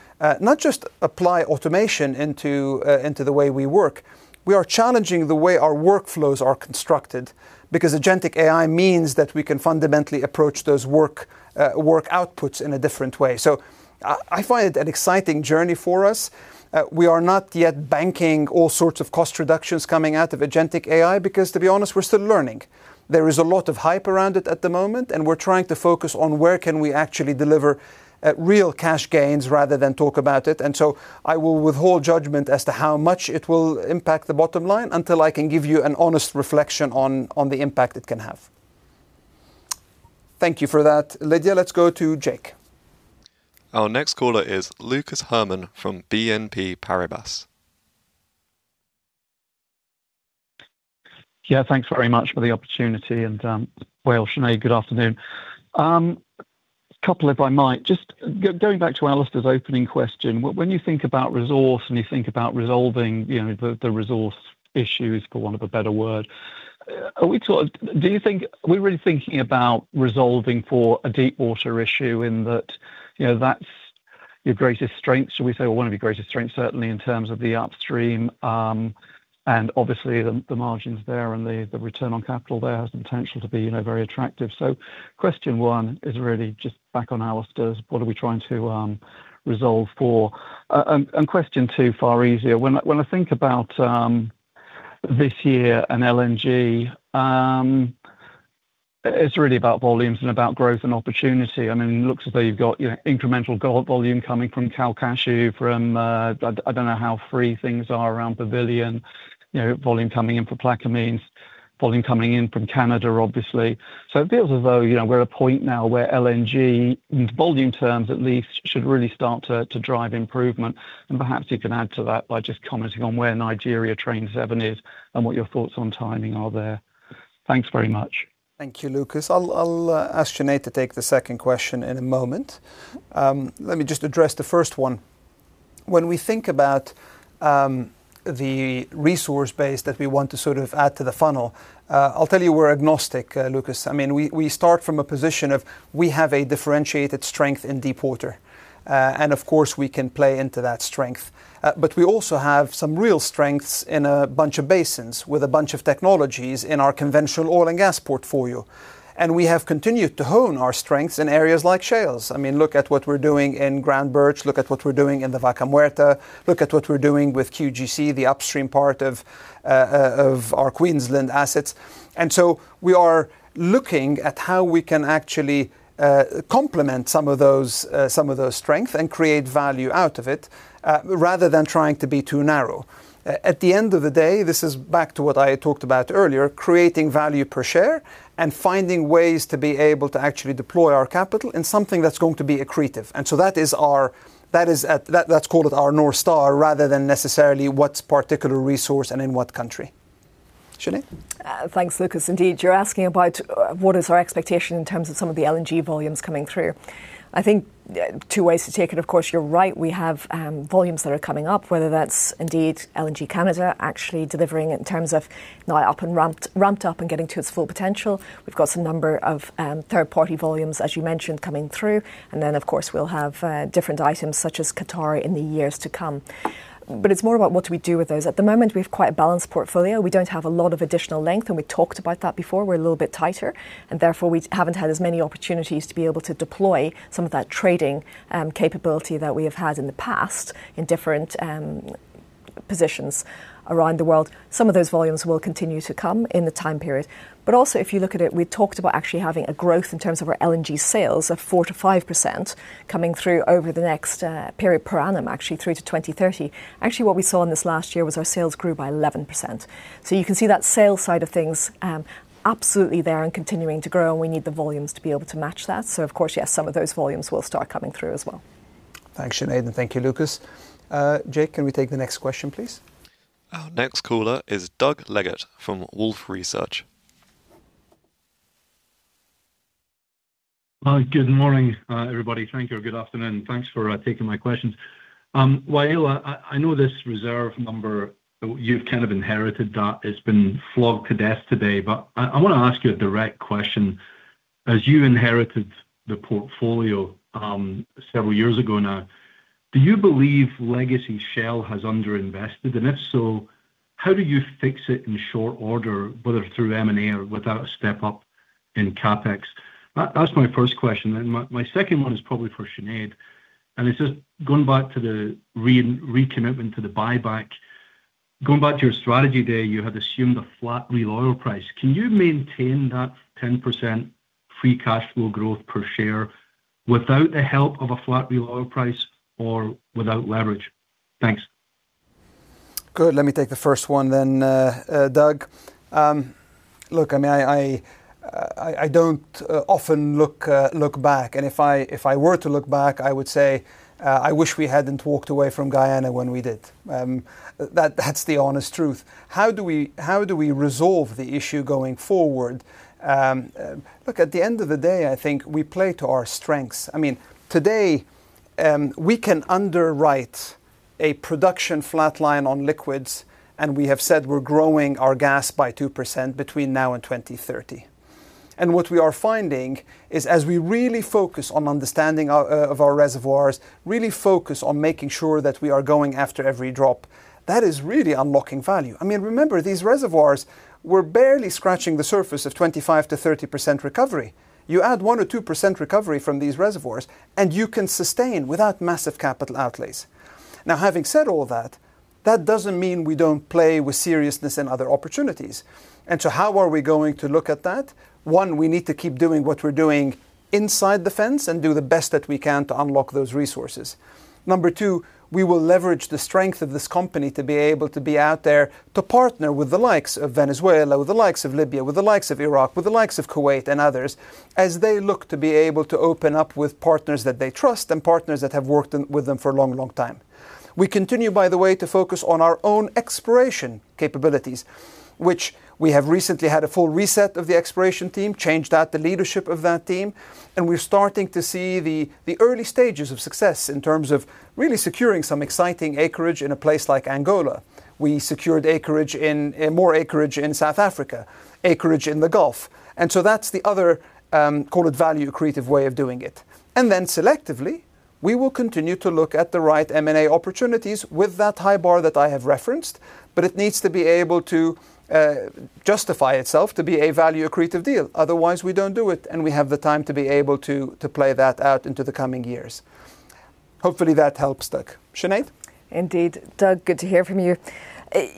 not just apply automation into the way we work, we are challenging the way our workflows are constructed, because agentic AI means that we can fundamentally approach those work outputs in a different way. So I find it an exciting journey for us. We are not yet banking all sorts of cost reductions coming out of agentic AI, because, to be honest, we're still learning. There is a lot of hype around it at the moment, and we're trying to focus on where can we actually deliver real cash gains rather than talk about it. And so I will withhold judgment as to how much it will impact the bottom line, until I can give you an honest reflection on the impact it can have. Thank you for that, Lydia. Let's go to Jake. Our next caller is Lucas Herrmann from BNP Paribas. Yeah, thanks very much for the opportunity, and, Wael, Sinead, good afternoon. A couple, if I might, just going back to Alastair's opening question. When you think about resource and you think about resolving, you know, the resource issues, for want of a better word, are we sort of... Do you think, are we really thinking about resolving for a deep water issue in that, you know, that's your greatest strength, shall we say, or one of your greatest strengths, certainly in terms of the upstream. And obviously, the margins there and the return on capital there has the potential to be, you know, very attractive. So question one is really just back on Alastair's, what are we trying to resolve for? And question two, far easier. When I think about this year and LNG, it's really about volumes and about growth and opportunity. I mean, it looks as though you've got, you know, incremental LNG volume coming from Calcasieu, from, I don't know how free tons are around Pavilion. You know, volume coming in from Plaquemines, volume coming in from Canada, obviously. So it feels as though, you know, we're at a point now where LNG, in volume terms at least, should really start to drive improvement. Perhaps you can add to that by just commenting on where Nigeria Train 7 is and what your thoughts on timing are there. Thanks very much. Thank you, Lucas. I'll ask Sinead to take the second question in a moment. Let me just address the first one. When we think about the resource base that we want to sort of add to the funnel, I'll tell you we're agnostic, Lucas. I mean, we start from a position of we have a differentiated strength in deepwater. And of course, we can play into that strength. But we also have some real strengths in a bunch of basins with a bunch of technologies in our conventional oil and gas portfolio. And we have continued to hone our strengths in areas like shales. I mean, look at what we're doing in Groundbirch, look at what we're doing in the Vaca Muerta, look at what we're doing with QGC, the upstream part of our Queensland assets. And so we are looking at how we can actually complement some of those, some of those strengths and create value out of it, rather than trying to be too narrow. At the end of the day, this is back to what I talked about earlier, creating value per share and finding ways to be able to actually deploy our capital in something that's going to be accretive. And so that is our... That is... let's call it our North Star, rather than necessarily what's particular resource and in what country.... thanks, Lucas. Indeed, you're asking about what is our expectation in terms of some of the LNG volumes coming through? I think two ways to take it. Of course, you're right, we have volumes that are coming up, whether that's indeed LNG Canada actually delivering it in terms of now up and ramped, ramped up and getting to its full potential. We've got some number of third-party volumes, as you mentioned, coming through, and then, of course, we'll have different items, such as Qatar, in the years to come. But it's more about what do we do with those? At the moment, we've quite a balanced portfolio. We don't have a lot of additional length, and we talked about that before. We're a little bit tighter, and therefore, we haven't had as many opportunities to be able to deploy some of that trading capability that we have had in the past in different positions around the world. Some of those volumes will continue to come in the time period. But also, if you look at it, we talked about actually having a growth in terms of our LNG sales of 4%-5% coming through over the next period per annum, actually through to 2030. Actually, what we saw in this last year was our sales grew by 11%. So you can see that sales side of things absolutely there and continuing to grow, and we need the volumes to be able to match that. So of course, yes, some of those volumes will start coming through as well. Thanks, Sinead, and thank you, Lucas. Jake, can we take the next question, please? Our next caller is Doug Leggate from Wolfe Research. Hi, good morning, everybody. Thank you, or good afternoon. Thanks for taking my questions. Wael, I know this reserve number, you've kind of inherited that. It's been flogged to death today, but I wanna ask you a direct question. As you inherited the portfolio several years ago now, do you believe legacy Shell has underinvested? And if so, how do you fix it in short order, whether through M&A or without a step up in CapEx? That's my first question, and my second one is probably for Sinead, and it's just going back to the recommitment to the buyback. Going back to your strategy day, you had assumed a flat real oil price. Can you maintain that 10% free cash flow growth per share without the help of a flat real oil price or without leverage? Thanks. Good. Let me take the first one then, Doug. Look, I mean, I don't often look back, and if I were to look back, I would say, I wish we hadn't walked away from Guyana when we did. That, that's the honest truth. How do we resolve the issue going forward? Look, at the end of the day, I think we play to our strengths. I mean, today, we can underwrite a production flatline on liquids, and we have said we're growing our gas by 2% between now and 2030. And what we are finding is, as we really focus on understanding our of our reservoirs, really focus on making sure that we are going after every drop, that is really unlocking value. I mean, remember, these reservoirs, we're barely scratching the surface of 25%-30% recovery. You add 1% or 2% recovery from these reservoirs, and you can sustain without massive capital outlays. Now, having said all that, that doesn't mean we don't play with seriousness in other opportunities. And so how are we going to look at that? One, we need to keep doing what we're doing inside the fence and do the best that we can to unlock those resources. Number two, we will leverage the strength of this company to be able to be out there to partner with the likes of Venezuela, with the likes of Libya, with the likes of Iraq, with the likes of Kuwait and others, as they look to be able to open up with partners that they trust and partners that have worked them, with them for a long, long time. We continue, by the way, to focus on our own exploration capabilities, which we have recently had a full reset of the exploration team, changed out the leadership of that team, and we're starting to see the, the early stages of success in terms of really securing some exciting acreage in a place like Angola. We secured acreage in... more acreage in South Africa, acreage in the Gulf. And so that's the other, call it, value-accretive way of doing it. And then selectively, we will continue to look at the right M&A opportunities with that high bar that I have referenced, but it needs to be able to justify itself to be a value-accretive deal. Otherwise, we don't do it, and we have the time to be able to play that out into the coming years. Hopefully, that helps, Doug. Sinead? Indeed. Doug, good to hear from you.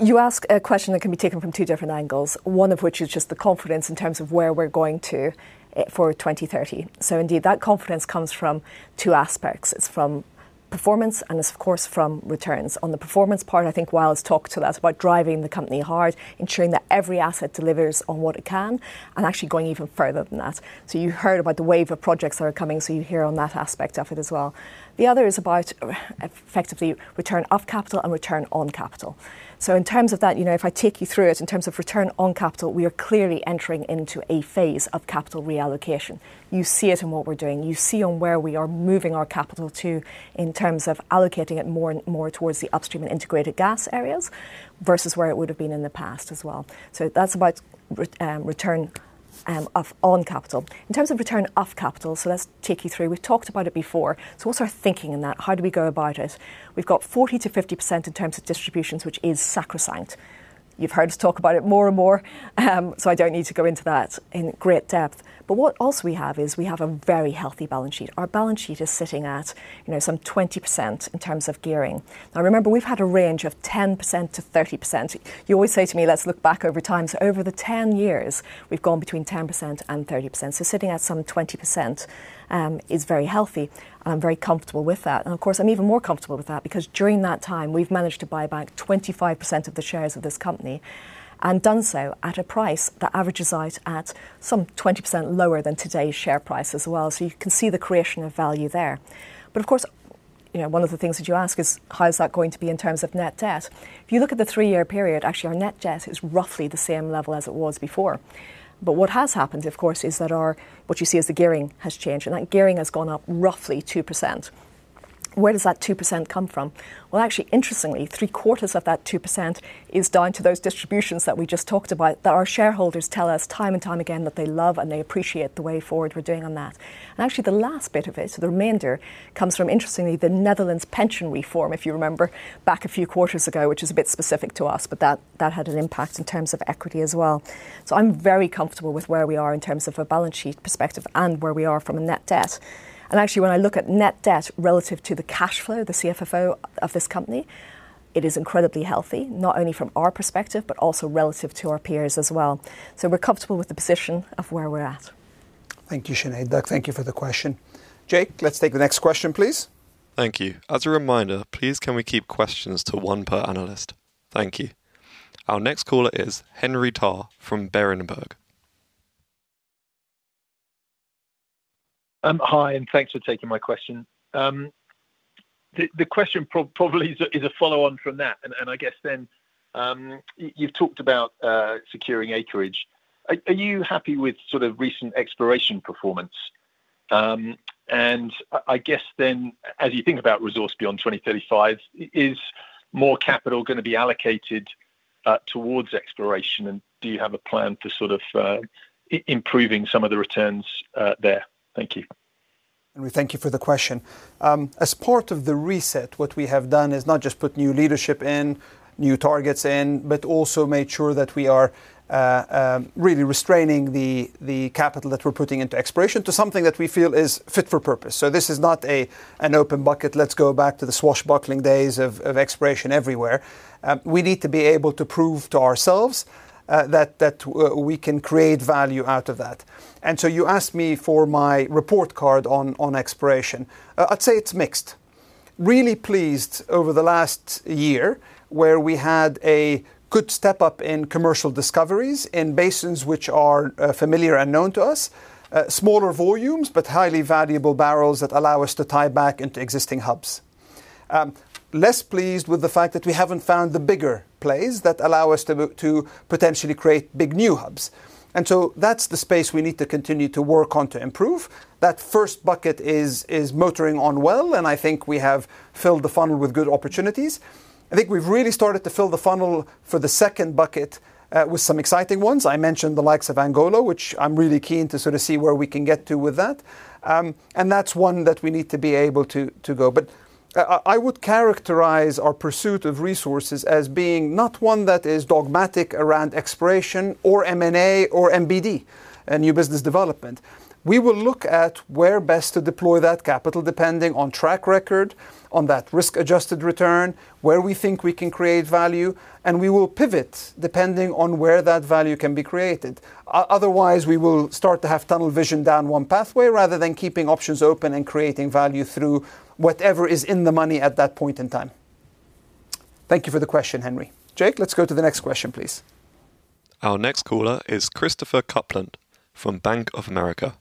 You ask a question that can be taken from two different angles, one of which is just the confidence in terms of where we're going to, for 2030. So indeed, that confidence comes from two aspects. It's from performance, and it's of course from returns. On the performance part, I think Wael's talked to that. It's about driving the company hard, ensuring that every asset delivers on what it can, and actually going even further than that. So you heard about the wave of projects that are coming, so you hear on that aspect of it as well. The other is about, effectively return of capital and return on capital. So in terms of that, you know, if I take you through it, in terms of return on capital, we are clearly entering into a phase of capital reallocation. You see it in what we're doing. You see on where we are moving our capital to in terms of allocating it more and more towards the upstream and integrated gas areas versus where it would've been in the past as well. So that's about return on capital. In terms of return of capital, so let's take you through. We've talked about it before, so what's our thinking in that? How do we go about it? We've got 40%-50% in terms of distributions, which is sacrosanct. You've heard us talk about it more and more, so I don't need to go into that in great depth. But what also we have is, we have a very healthy balance sheet. Our balance sheet is sitting at, you know, some 20% in terms of gearing. Now remember, we've had a range of 10%-30%. You always say to me, "Let's look back over time." So over the 10 years, we've gone between 10% and 30%, so sitting at some 20%, um, is very healthy, and I'm very comfortable with that. And of course, I'm even more comfortable with that because during that time, we've managed to buy back 25% of the shares of this company and done so at a price that averages out at some 20% lower than today's share price as well. So you can see the creation of value there. But of course, our... You know, one of the things that you ask is: How is that going to be in terms of net debt? If you look at the three-year period, actually, our net debt is roughly the same level as it was before. But what has happened, of course, is that our, what you see is the gearing has changed, and that gearing has gone up roughly 2%. Where does that 2% come from? Well, actually, interestingly, three-quarters of that 2% is down to those distributions that we just talked about, that our shareholders tell us time and time again that they love and they appreciate the way forward we're doing on that. And actually, the last bit of it, so the remainder, comes from, interestingly, the Netherlands pension reform, if you remember back a few quarters ago, which is a bit specific to us, but that, that had an impact in terms of equity as well. I'm very comfortable with where we are in terms of a balance sheet perspective and where we are from a net debt. Actually, when I look at net debt relative to the cash flow, the CFFO of this company, it is incredibly healthy, not only from our perspective, but also relative to our peers as well. We're comfortable with the position of where we're at. Thank you, Sinead. Thank you for the question. Jake, let's take the next question, please. Thank you. As a reminder, please, can we keep questions to one per analyst? Thank you. Our next caller is Henry Tarr from Berenberg. Hi, and thanks for taking my question. The question probably is a follow-on from that, and I guess then you've talked about securing acreage. Are you happy with sort of recent exploration performance? And I guess then, as you think about resource beyond 2035, is more capital gonna be allocated towards exploration, and do you have a plan for sort of improving some of the returns there? Thank you. Henry, thank you for the question. As part of the reset, what we have done is not just put new leadership in, new targets in, but also made sure that we are really restraining the, the capital that we're putting into exploration to something that we feel is fit for purpose. So this is not a, an open bucket, let's go back to the swashbuckling days of, of exploration everywhere. We need to be able to prove to ourselves, that we can create value out of that. And so you asked me for my report card on, on exploration. I'd say it's mixed. Really pleased over the last year, where we had a good step-up in commercial discoveries in basins which are, familiar and known to us. Smaller volumes, but highly valuable barrels that allow us to tie back into existing hubs. Less pleased with the fact that we haven't found the bigger plays that allow us to potentially create big new hubs. And so that's the space we need to continue to work on to improve. That first bucket is motoring on well, and I think we have filled the funnel with good opportunities. I think we've really started to fill the funnel for the second bucket with some exciting ones. I mentioned the likes of Angola, which I'm really keen to sort of see where we can get to with that. And that's one that we need to be able to go. But I would characterize our pursuit of resources as being not one that is dogmatic around exploration or M&A or NBD, new business development. We will look at where best to deploy that capital, depending on track record, on that risk-adjusted return, where we think we can create value, and we will pivot depending on where that value can be created. Otherwise, we will start to have tunnel vision down one pathway, rather than keeping options open and creating value through whatever is in the money at that point in time. Thank you for the question, Henry. Jake, let's go to the next question, please. Our next caller is Christopher Kuplent from Bank of America.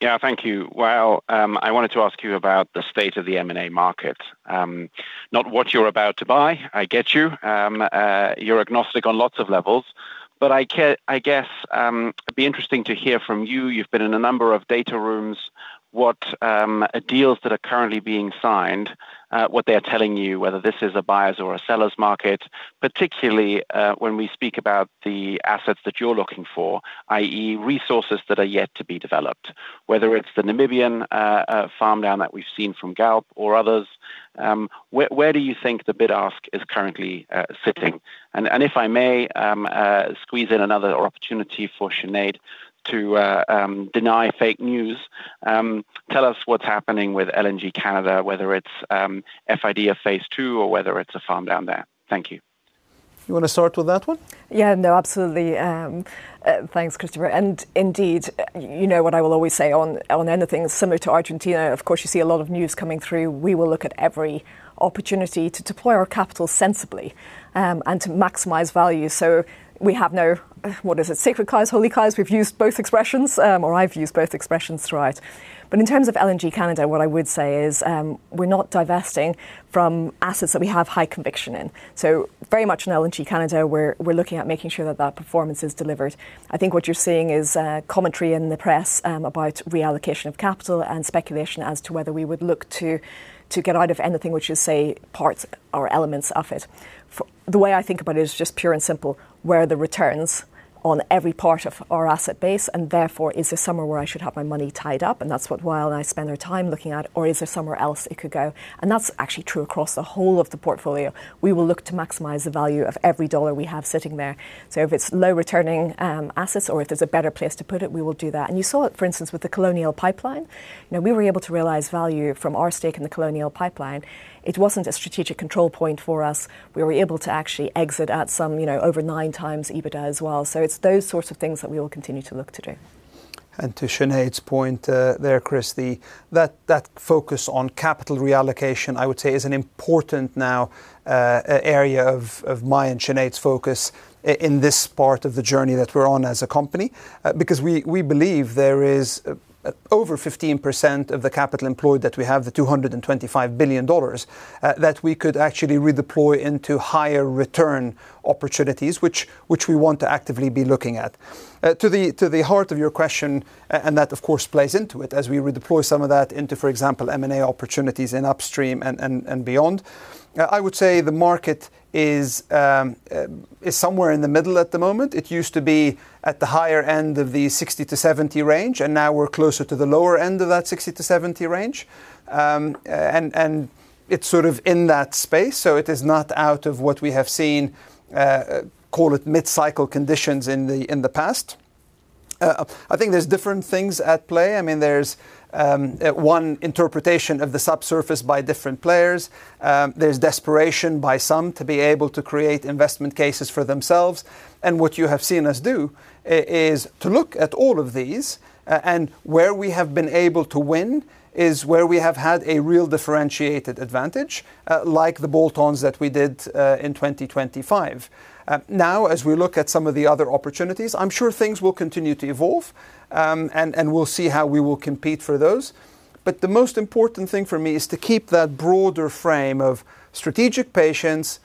Yeah, thank you. Well, I wanted to ask you about the state of the M&A market. Not what you're about to buy, I get you. You're agnostic on lots of levels, but I guess it'd be interesting to hear from you, you've been in a number of data rooms, what deals that are currently being signed, what they are telling you, whether this is a buyer's or a seller's market, particularly when we speak about the assets that you're looking for, i.e., resources that are yet to be developed. Whether it's the Namibian farm down that we've seen from Galp or others, where do you think the bid ask is currently sitting? And if I may, squeeze in another opportunity for Sinead to deny fake news, tell us what's happening with LNG Canada, whether it's FID of Phase Two or whether it's a farm down there. Thank you. You wanna start with that one? Yeah, no, absolutely. Thanks, Christopher. And indeed, you know what I will always say on anything similar to Argentina, of course, you see a lot of news coming through. We will look at every opportunity to deploy our capital sensibly and to maximize value. So we have no, what is it? Sacred cows, holy cows, we've used both expressions or I've used both expressions throughout. But in terms of LNG Canada, what I would say is, we're not divesting from assets that we have high conviction in. So very much in LNG Canada, we're looking at making sure that that performance is delivered. I think what you're seeing is commentary in the press about reallocation of capital and speculation as to whether we would look to get out of anything which is, say, parts or elements of it. The way I think about it is just pure and simple, where are the returns on every part of our asset base, and therefore, is there somewhere where I should have my money tied up? And that's what Wael and I spend our time looking at, or is there somewhere else it could go? And that's actually true across the whole of the portfolio. We will look to maximize the value of every dollar we have sitting there. So if it's low-returning assets, or if there's a better place to put it, we will do that. And you saw it, for instance, with the Colonial Pipeline. You know, we were able to realize value from our stake in the Colonial Pipeline. It wasn't a strategic control point for us. We were able to actually exit at some, you know, over 9x EBITDA as well. It's those sorts of things that we will continue to look to do. ...And to Sinead's point, there, Chris, the that focus on capital reallocation, I would say, is an important now area of my and Sinead's focus in this part of the journey that we're on as a company. Because we believe there is over 15% of the capital employed that we have, the $225 billion, that we could actually redeploy into higher return opportunities, which we want to actively be looking at. To the heart of your question, and that, of course, plays into it, as we redeploy some of that into, for example, M&A opportunities in upstream and beyond. I would say the market is somewhere in the middle at the moment. It used to be at the higher end of the 60-70 range, and now we're closer to the lower end of that 60-70 range. And it's sort of in that space, so it is not out of what we have seen, call it, mid-cycle conditions in the past. I think there's different things at play. I mean, there's one interpretation of the subsurface by different players. There's desperation by some to be able to create investment cases for themselves. And what you have seen us do is to look at all of these and where we have been able to win, is where we have had a real differentiated advantage, like the bolt-ons that we did in 2025. Now, as we look at some of the other opportunities, I'm sure things will continue to evolve, and, and we'll see how we will compete for those. But the most important thing for me is to keep that broader frame of strategic patience,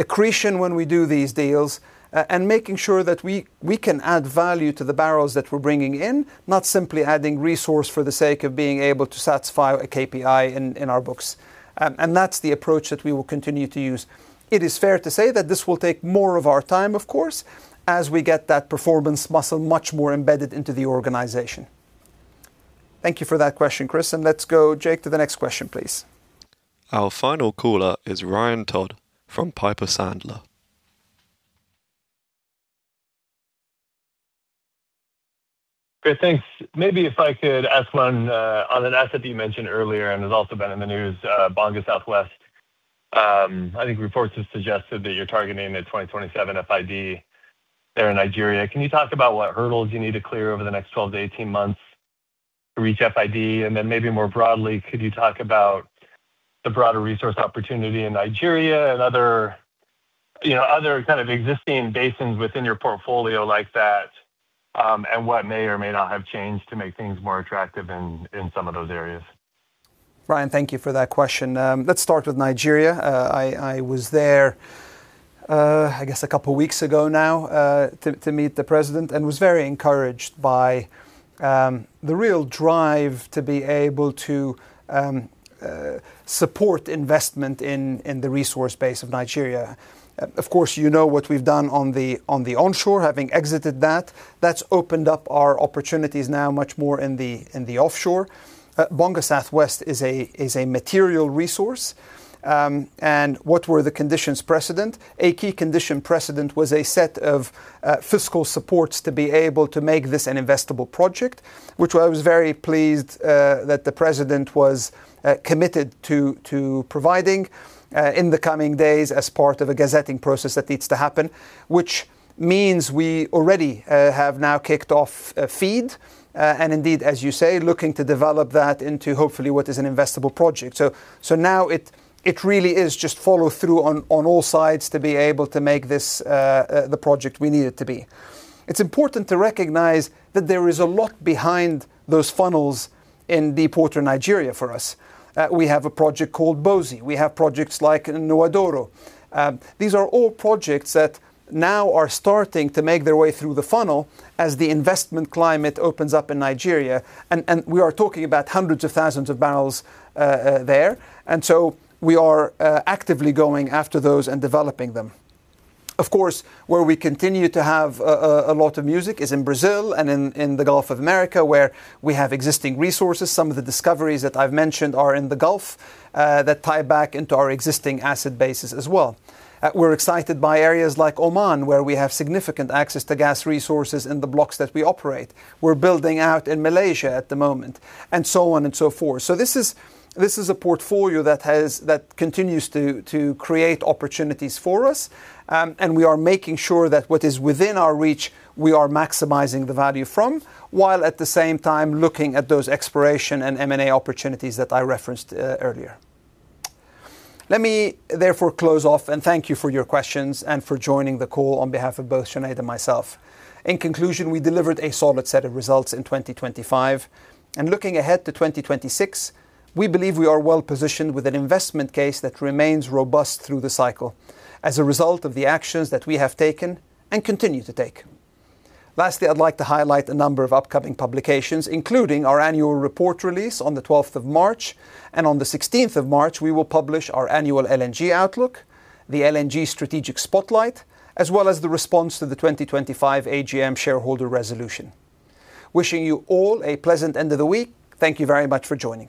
accretion when we do these deals, and making sure that we, we can add value to the barrels that we're bringing in, not simply adding resource for the sake of being able to satisfy a KPI in, in our books. And, and that's the approach that we will continue to use. It is fair to say that this will take more of our time, of course, as we get that performance muscle much more embedded into the organization. Thank you for that question, Chris, and let's go, Jake, to the next question, please. Our final caller is Ryan Todd from Piper Sandler. Great, thanks. Maybe if I could ask one on an asset that you mentioned earlier, and has also been in the news, Bonga South West. I think reports have suggested that you're targeting a 2027 FID there in Nigeria. Can you talk about what hurdles you need to clear over the next 12-18 months to reach FID? And then maybe more broadly, could you talk about the broader resource opportunity in Nigeria and other, you know, other kind of existing basins within your portfolio like that, and what may or may not have changed to make things more attractive in some of those areas? Ryan, thank you for that question. Let's start with Nigeria. I was there, I guess a couple of weeks ago now, to meet the president and was very encouraged by the real drive to be able to support investment in the resource base of Nigeria. Of course, you know what we've done on the onshore, having exited that. That's opened up our opportunities now much more in the offshore. Bonga South West is a material resource. And what were the conditions precedent? A key condition precedent was a set of fiscal supports to be able to make this an investable project, which I was very pleased that the president was committed to providing in the coming days as part of a gazetting process that needs to happen, which means we already have now kicked off a feed. And indeed, as you say, looking to develop that into, hopefully, what is an investable project. So now it really is just follow through on all sides to be able to make this the project we need it to be. It's important to recognize that there is a lot behind those funnels in deepwater Nigeria for us. We have a project called Bosi. We have projects like Nwa-Doro. These are all projects that now are starting to make their way through the funnel as the investment climate opens up in Nigeria, and we are talking about hundreds of thousands of barrels there. So we are actively going after those and developing them. Of course, where we continue to have a lot of momentum is in Brazil and in the Gulf of Mexico, where we have existing resources. Some of the discoveries that I've mentioned are in the Gulf that tie back into our existing asset bases as well. We're excited by areas like Oman, where we have significant access to gas resources in the blocks that we operate. We're building out in Malaysia at the moment, and so on and so forth. So this is a portfolio that has... that continues to create opportunities for us, and we are making sure that what is within our reach, we are maximizing the value from, while at the same time looking at those exploration and M&A opportunities that I referenced earlier. Let me therefore close off and thank you for your questions and for joining the call on behalf of both Sinead and myself. In conclusion, we delivered a solid set of results in 2025, and looking ahead to 2026, we believe we are well positioned with an investment case that remains robust through the cycle, as a result of the actions that we have taken and continue to take. Lastly, I'd like to highlight a number of upcoming publications, including our annual report release on the 12th of March, and on the 16th of March, we will publish our annual LNG Outlook, the LNG Strategic Spotlight, as well as the response to the 2025 AGM shareholder resolution. Wishing you all a pleasant end of the week. Thank you very much for joining us.